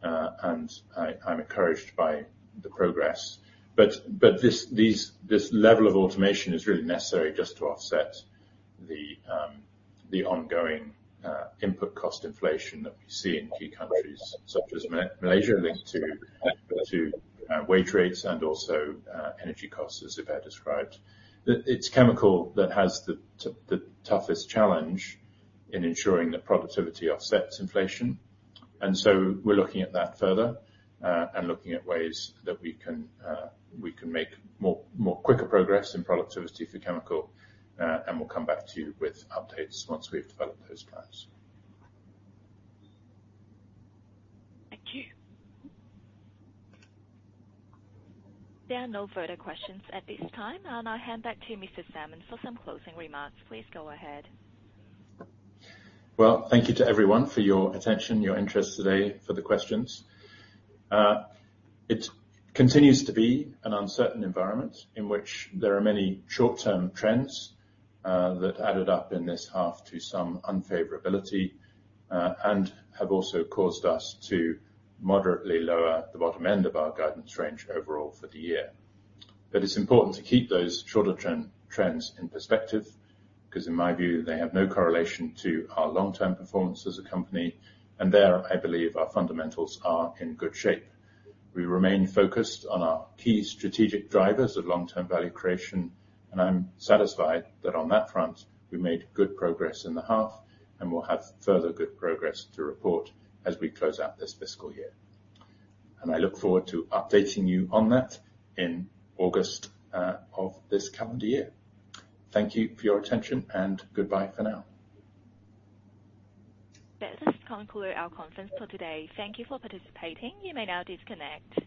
I'm encouraged by the progress. This, these, this level of automation is really necessary just to offset the ongoing input cost inflation that we see in key countries such as Malaysia, linked to wage rates and also energy costs, as Zubair described. It's chemical that has the toughest challenge in ensuring that productivity offsets inflation. So we're looking at that further, and looking at ways that we can make more quicker progress in productivity for chemical. We'll come back to you with updates once we've developed those plans. Thank you. There are no further questions at this time. I'll now hand back to Mr. Salmon for some closing remarks. Please go ahead. Well, thank you to everyone for your attention, your interest today, for the questions. It continues to be an uncertain environment in which there are many short-term trends that added up in this half to some unfavorability, and have also caused us to moderately lower the bottom end of our guidance range overall for the year. It's important to keep those shorter trends in perspective, because in my view, they have no correlation to our long-term performance as a company, and there, I believe our fundamentals are in good shape. We remain focused on our key strategic drivers of long-term value creation, and I'm satisfied that on that front we made good progress in the half and will have further good progress to report as we close out this fiscal year. I look forward to updating you on that in August of this calendar year. Thank you for your attention and goodbye for now. This concludes our conference call today. Thank you for participating. You may now disconnect.